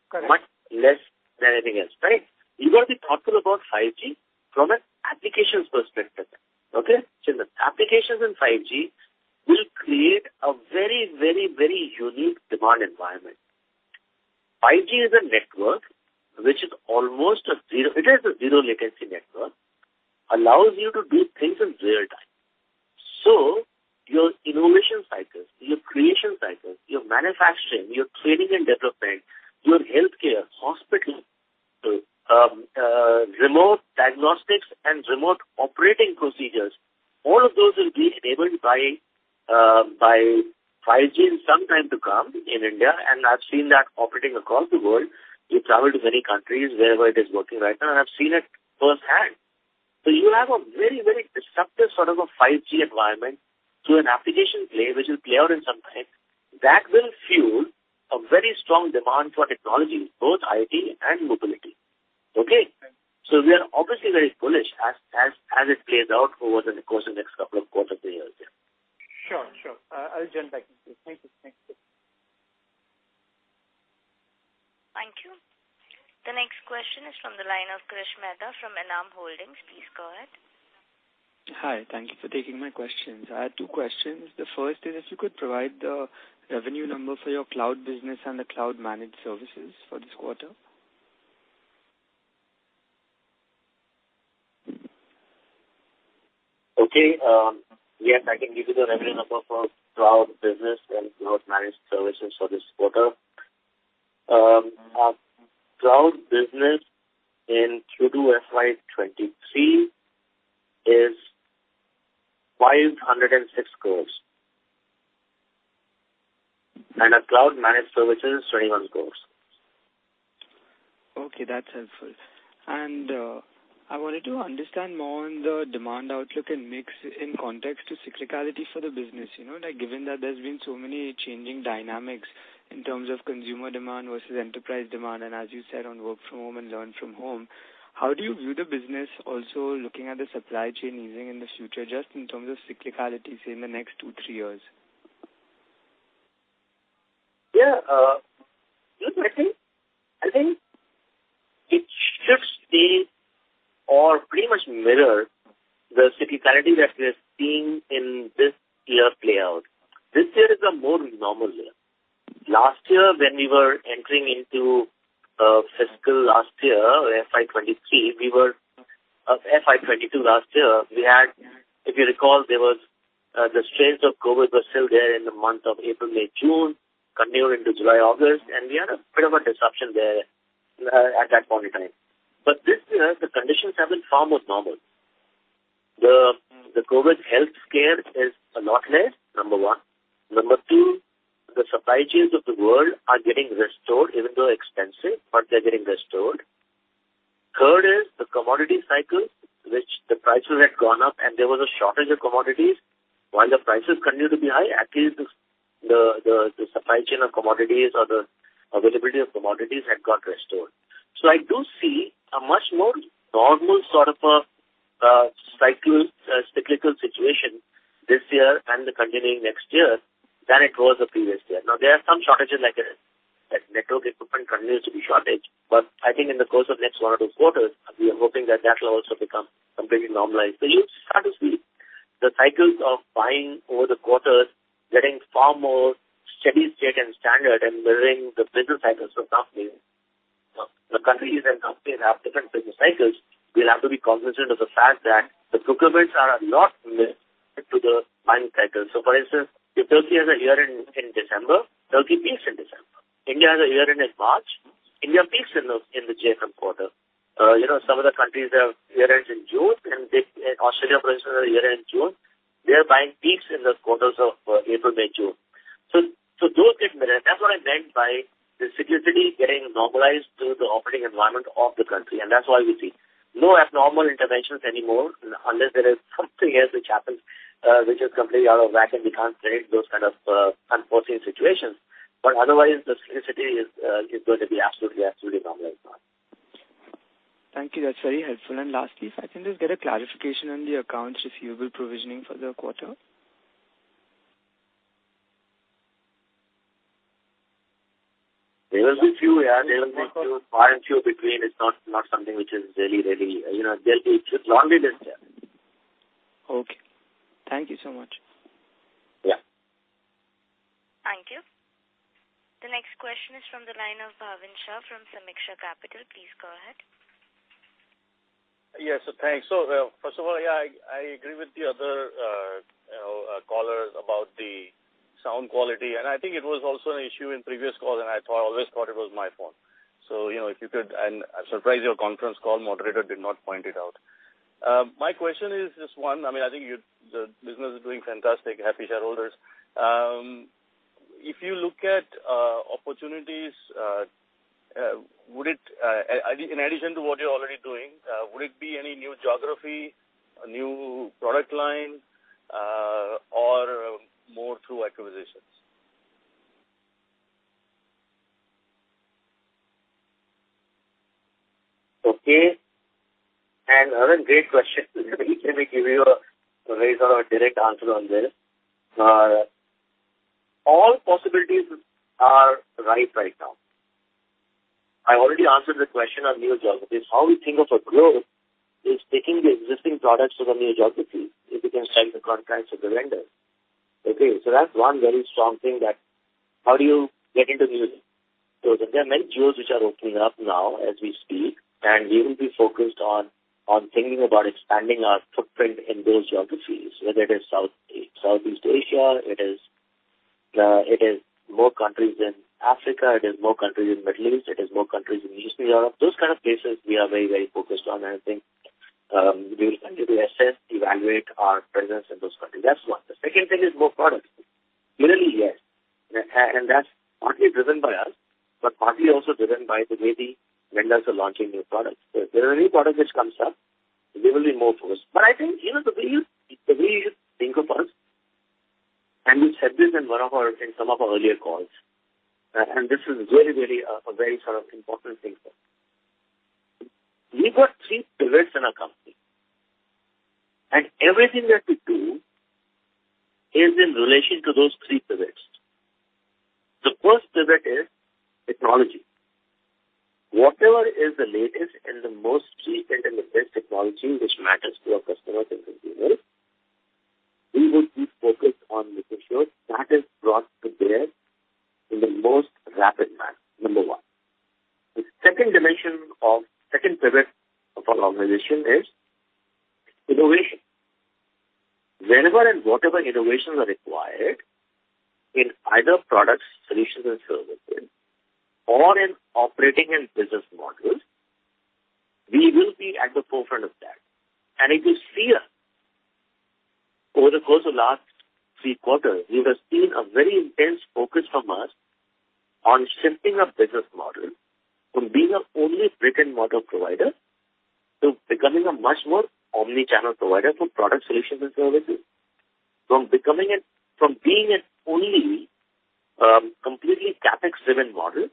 Correct. Much less than anything else, right? You gotta be thoughtful about 5G from an applications perspective, okay? The applications in 5G will create a very unique demand environment. 5G is a network which is almost a zero. It is a zero latency network, allows you to do things in real time. Your innovation cycles, your creation cycles, your manufacturing, your training and development, your healthcare, hospital, remote diagnostics and remote operating procedures, all of those will be enabled by 5G in some time to come in India. I've seen that operating across the world. We travel to many countries wherever it is working right now, and I've seen it firsthand. You have a very disruptive sort of a 5G environment through an application play which will play out in some time. That will fuel a very strong demand for technology, both IT and mobility. Okay? Right. We are obviously very bullish as it plays out over the course of the next couple of quarters or years, yeah. Sure. I'll jump back. Thank you. Thank you. The next question is from the line of Krish Mehta from Enam Holdings. Please go ahead. Hi. Thank you for taking my questions. I had two questions. The first is if you could provide the revenue number for your cloud business and the cloud managed services for this quarter. Yes, I can give you the revenue number for cloud business and cloud managed services for this quarter. Our cloud business in Q2 FY23 is 506 crores. Our cloud managed services, 21 crores. Okay, that's helpful. I wanted to understand more on the demand outlook and mix in context to cyclicality for the business. You know, like, given that there's been so many changing dynamics in terms of consumer demand versus enterprise demand, and as you said, on work from home and learn from home, how do you view the business also looking at the supply chain easing in the future, just in terms of cyclicalities in the next two, three years? Yeah. Look, I think it should stay or pretty much mirror the cyclicality that we're seeing in this year play out. This year is a more normal year. Last year, when we were entering into fiscal last year, FY 2023, we were FY 2022 last year, we had, if you recall, there was the strains of COVID were still there in the month of April, May, June, continued into July, August, and we had a bit of a disruption there at that point in time. This year the conditions have been far more normal. The COVID health scare is a lot less, number one. Number two, the supply chains of the world are getting restored even though expensive, but they're getting restored. Third is the commodity cycle, which the prices had gone up and there was a shortage of commodities. While the prices continue to be high, at least the supply chain of commodities or the availability of commodities had got restored. I do see a much more normal sort of a cyclical situation this year and continuing next year than it was the previous year. Now, there are some shortages like network equipment continues to be a shortage, but I think in the course of next one or two quarters, we are hoping that will also become completely normalized. You'll start to see the cycles of buying over the quarters getting far more steady state and standard and mirroring the business cycles of companies. The countries and companies have different business cycles. We'll have to be cognizant of the fact that the procurements are a lot less tied to the buying cycles. For instance, if Turkey has a year end in December, Turkey pays in December. India has a year end in March. India peaks in the June quarter. You know, some of the countries have year ends in June, and they Australia, for instance, year end June. They are buying peaks in those quarters of April, May, June. Those get merged. That's what I meant by the seasonality getting normalized to the operating environment of the country, and that's why we see no abnormal interventions anymore unless there is something else which happens, which is completely out of whack and we can't predict those kind of unforeseen situations. Otherwise, the seasonality is going to be absolutely normalized now. Thank you. That's very helpful. Lastly, if I can just get a clarification on the accounts receivable provisioning for the quarter. There will be few, yeah. Quite a few between. It's not something which is really. You know, there'll be, it's a laundry list there. Okay. Thank you so much. Yeah. Thank you. The next question is from the line of Bhavin Shah from Sameeksha Capital. Please go ahead. Yes. Thanks. First of all, yeah, I agree with the other, you know, callers about the sound quality, and I think it was also an issue in previous calls, and I thought, always thought it was my phone. You know, if you could. I'm surprised your conference call moderator did not point it out. My question is just one. I mean, I think you, the business is doing fantastic. Happy shareholders. If you look at opportunities, would it, in addition to what you're already doing, would it be any new geography, a new product line, or more through acquisitions? Okay. Bhavin, great question. Let me give you a very sort of a direct answer on this. All possibilities are ripe right now. I already answered the question on new geographies. How we think of a growth is taking the existing products to the new geographies if we can sign the contracts with the vendors. Okay? That's one very strong thing that how do you get into new geography. There are many geos which are opening up now as we speak, and we will be focused on thinking about expanding our footprint in those geographies, whether it is Southeast Asia, it is more countries in Africa. It is more countries in Middle East. It is more countries in Eastern Europe. Those kind of places we are very, very focused on. I think we will continue to assess, evaluate our presence in those countries. That's one. The second thing is more products. Really, yes. And that's partly driven by us, but partly also driven by the way the vendors are launching new products. So if there are any product which comes up, there will be more focus. But I think, you know, the way you think of us, and we said this in some of our earlier calls, and this is really a very sort of important thing for us. We've got three pivots in our company, and everything that we do is in relation to those three pivots. The first pivot is technology. Whatever is the latest and the most recent and the best technology which matters to our customers and consumers, we would be focused on making sure that is brought to bear in the most rapid manner. Number one. The second dimension of second pivot of our organization is innovation. Wherever and whatever innovations are required in either products, solutions and services or in operating and business models, we will be at the forefront of that. If you see us over the course of last three quarters, you would have seen a very intense focus from us on shifting our business model from being an only brick-and-mortar provider to becoming a much more omni-channel provider for product solutions and services. From being an only completely CapEx-driven model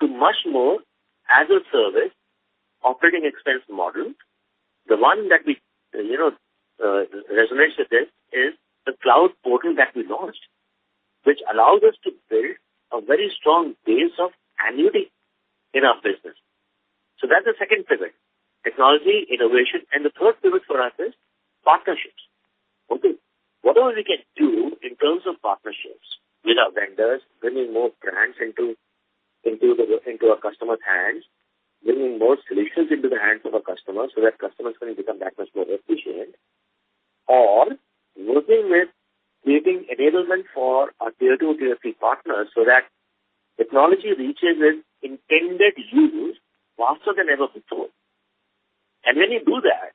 to much more as a service operating expense model. The one that resonates with this is the cloud portal that we launched, which allows us to build a very strong base of annuity in our business. That's the second pivot. Technology, innovation. The third pivot for us is partnerships. Okay. Whatever we can do in terms of partnerships with our vendors, bringing more brands into our customers' hands, bringing more solutions into the hands of our customers so that customers can become that much more efficient. Or working with creating enablement for our tier two, tier three partners so that technology reaches its intended use faster than ever before. When you do that,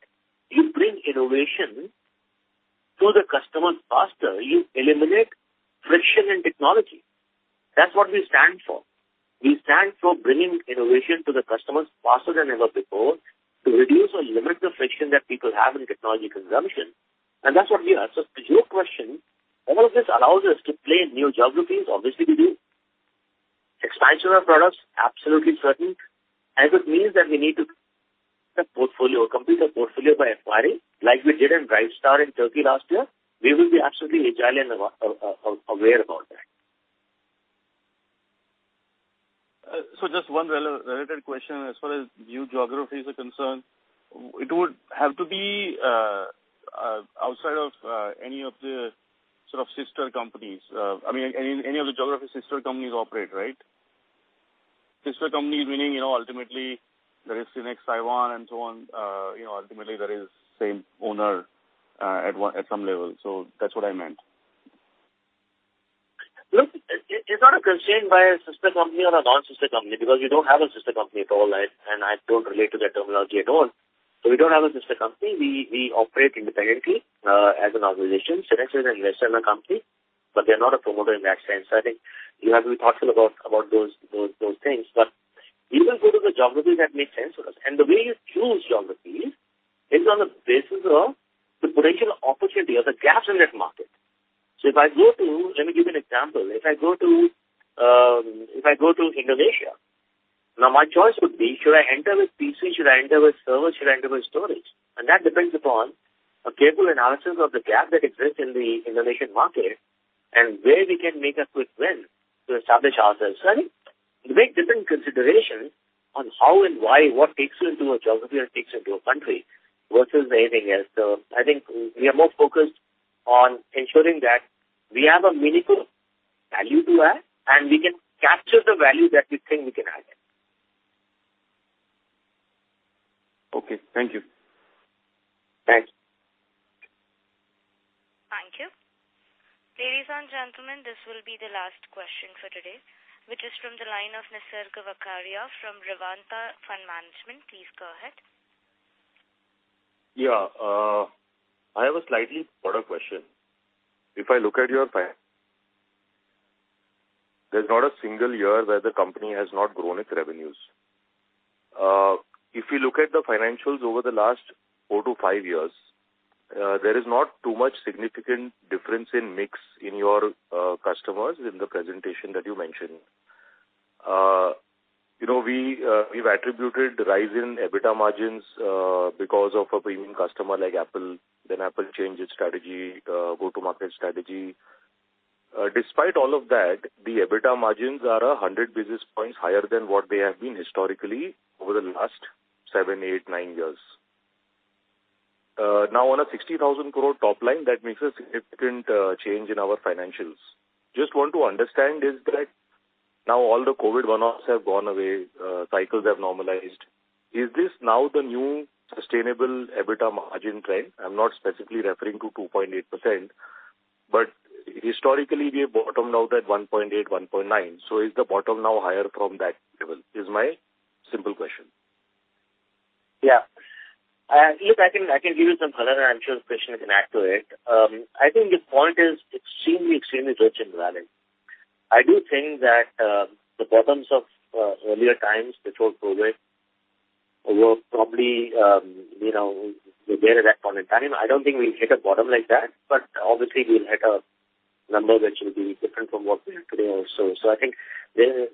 you bring innovation to the customers faster. You eliminate friction in technology. That's what we stand for. We stand for bringing innovation to the customers faster than ever before to reduce or limit the friction that people have in technology consumption. That's what we are. To your question, all of this allows us to play in new geographies. Obviously, we do. Expansion of products, absolutely certain. If it means that we need to portfolio, complete a portfolio by acquiring like we did in Brightstar in Turkey last year, we will be absolutely agile and aware about that. Just one related question. As far as new geographies are concerned, it would have to be outside of any of the sort of sister companies. I mean, any of the geography sister companies operate, right? Sister company meaning, you know, ultimately there is Synnex, Arena, and so on. You know, ultimately there is same owner at some level. That's what I meant. Look, it's not constrained by a sister company or a non-sister company because we don't have a sister company at all, and I don't relate to that terminology at all. We don't have a sister company. We operate independently as an organization. Synnex is an investment company, but we are not a promoter in that sense. I think you have to be thoughtful about those things. We will go to the geography that makes sense for us. The way you choose geographies is on the basis of the potential opportunity or the gaps in that market. Let me give you an example. If I go to Indonesia, now my choice would be, should I enter with PC? Should I enter with servers? Should I enter with storage? That depends upon a careful analysis of the gap that exists in the Indonesian market and where we can make a quick win to establish ourselves. I think we make different considerations on how and why, what takes you into a geography or takes you into a country versus anything else. I think we are more focused on ensuring that we have a meaningful value to add, and we can capture the value that we think we can add there. Okay. Thank you. Thanks. Thank you. Ladies and gentlemen, this will be the last question for today, which is from the line of Nisarg Vakharia from Revanta Fund Management. Please go ahead. I have a slightly broader question. If I look at your financials, there's not a single year where the company has not grown its revenues. If you look at the financials over the last four to five years, there is not too much significant difference in mix in your customers in the presentation that you mentioned. You know, we've attributed the rise in EBITDA margins because of a premium customer like Apple, then Apple changed its strategy, go-to-market strategy. Despite all of that, the EBITDA margins are 100 basis points higher than what they have been historically over the last seven, eight, nine years. Now on a 60,000 crore top line, that makes a significant change in our financials. Just want to understand, is that now all the COVID one-offs have gone away, cycles have normalized. Is this now the new sustainable EBITDA margin trend? I'm not specifically referring to 2.8%, but historically, we have bottomed out at 1.8%, 1.9%. Is the bottom now higher from that level? That's my simple question. Yeah. Look, I can give you some color, and I'm sure Krishnan can add to it. I think your point is extremely rich and valid. I do think that the bottoms of earlier times before COVID were probably, you know, there at that point in time. I don't think we'll hit a bottom like that, but obviously we'll hit a number which will be different from what we have today also. I think you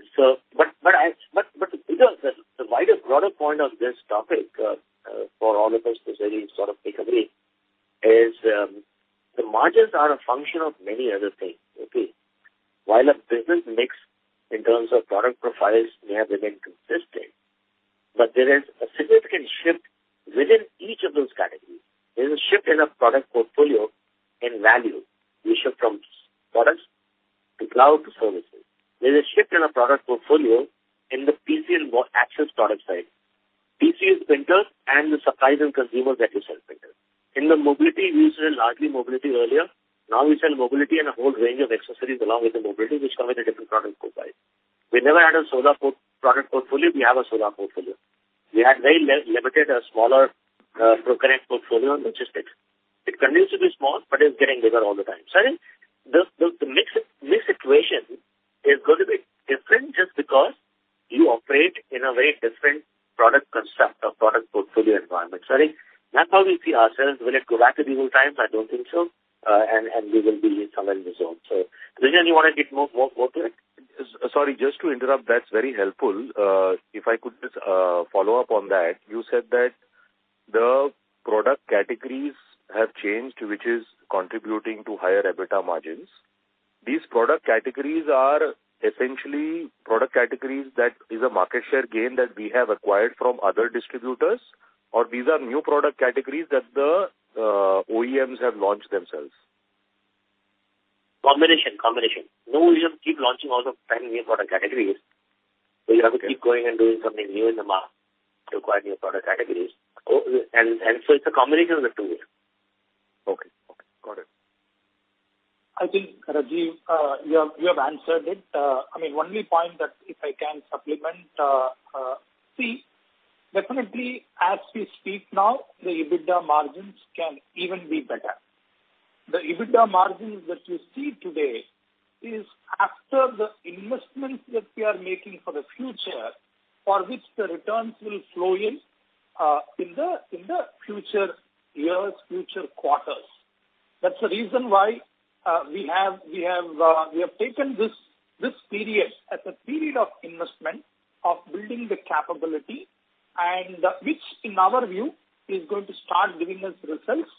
know the wider broader point of this topic for all of us to really sort of take away is the margins are a function of many other things. Okay. While a business mix in terms of product profiles may have remained consistent, but there is a significant shift within each of those categories. There's a shift in our product portfolio in value. We shift from products to cloud to services. There's a shift in our product portfolio in the PC and broadband access product side. PCs, printers and the supplies and consumables that we sell printers. In the mobility, we used to sell largely mobility earlier. Now we sell mobility and a whole range of accessories along with the mobility, which come with a different product profile. We never had a solar product portfolio. We have a solar portfolio. We had very limited or smaller ProConnect portfolio in logistics. It continues to be small, but it's getting bigger all the time. I think the mix equation is going to be different just because you operate in a very different product construct or product portfolio environment. I think that's how we see ourselves. Will it go back to the old times? I don't think so. We will be somewhere in the zone. Rajiv, you wanna get more to it? Sorry, just to interrupt. That's very helpful. If I could just follow up on that. You said that the product categories have changed, which is contributing to higher EBITDA margins. These product categories are essentially a market share gain that we have acquired from other distributors, or these are new product categories that the OEMs have launched themselves. Combination. No, OEMs keep launching all the time new product categories. You have to keep going and doing something new in the market to acquire new product categories. Okay. It's a combination of the two here. Okay. Got it. I think, Rajiv, you have answered it. I mean, only point that if I can supplement, see, definitely as we speak now, the EBITDA margins can even be better. The EBITDA margins that you see today is after the investments that we are making for the future, for which the returns will flow in the future years, future quarters. That's the reason why, we have taken this period as a period of investment, of building the capability, and which, in our view, is going to start giving us results,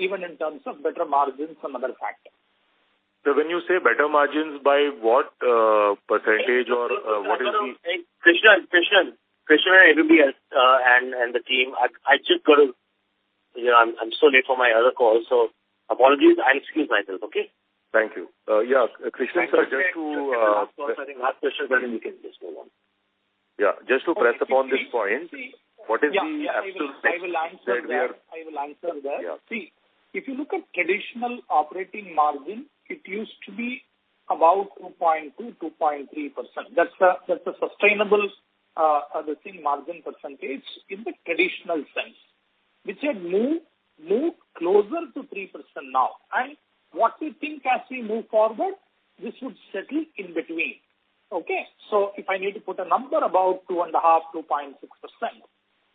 even in terms of better margins and other factors. When you say better margins, by what percentage or what do you mean? Krishnan and everybody else, and the team, you know, I'm so late for my other call, so apologies. I excuse myself, okay? Thank you. Yeah. Krishnan, sir, just to, I think, ask Krishnan, and we can. Yeah, just to press upon this point, what is the actual steps that we are? Yeah, I will answer that. Yeah. See, if you look at traditional operating margin, it used to be about 2.2-2.3%. That's a sustainable, I would say, margin percentage in the traditional sense, which had moved closer to 3% now. What we think as we move forward, this would settle in between. Okay. If I need to put a number, about 2.5-2.6%,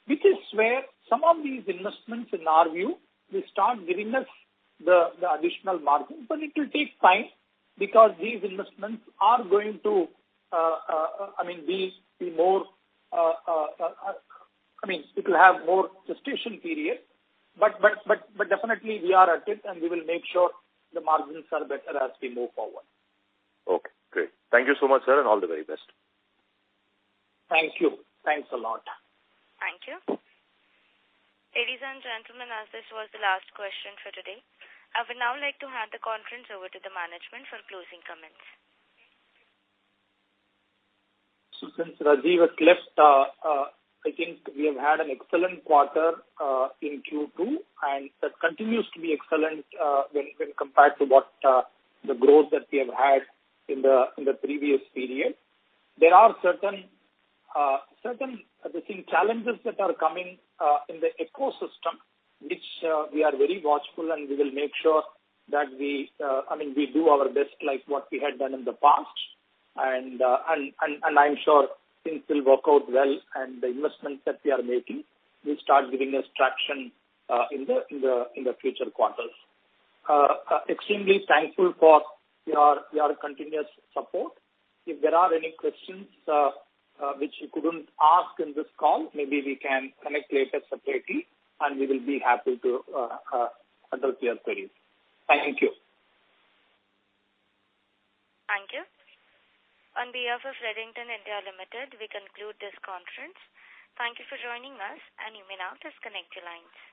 which is where some of these investments in our view will start giving us the additional margin. It will take time because these investments are going to I mean be more I mean it will have more gestation period. Definitely we are at it, and we will make sure the margins are better as we move forward. Okay, great. Thank you so much, sir, and all the very best. Thank you. Thanks a lot. Thank you. Ladies and gentlemen, as this was the last question for today, I would now like to hand the conference over to the management for closing comments. Since Rajiv has left, I think we have had an excellent quarter in Q2, and that continues to be excellent when compared to the growth that we have had in the previous period. There are certain, I would say, challenges that are coming in the ecosystem, which we are very watchful, and we will make sure that I mean, we do our best like what we had done in the past. I'm sure things will work out well and the investments that we are making will start giving us traction in the future quarters. Extremely thankful for your continuous support. If there are any questions, which you couldn't ask in this call, maybe we can connect later separately, and we will be happy to address your queries. Thank you. Thank you. On behalf of Redington Limited, we conclude this conference. Thank you for joining us, and you may now disconnect your lines.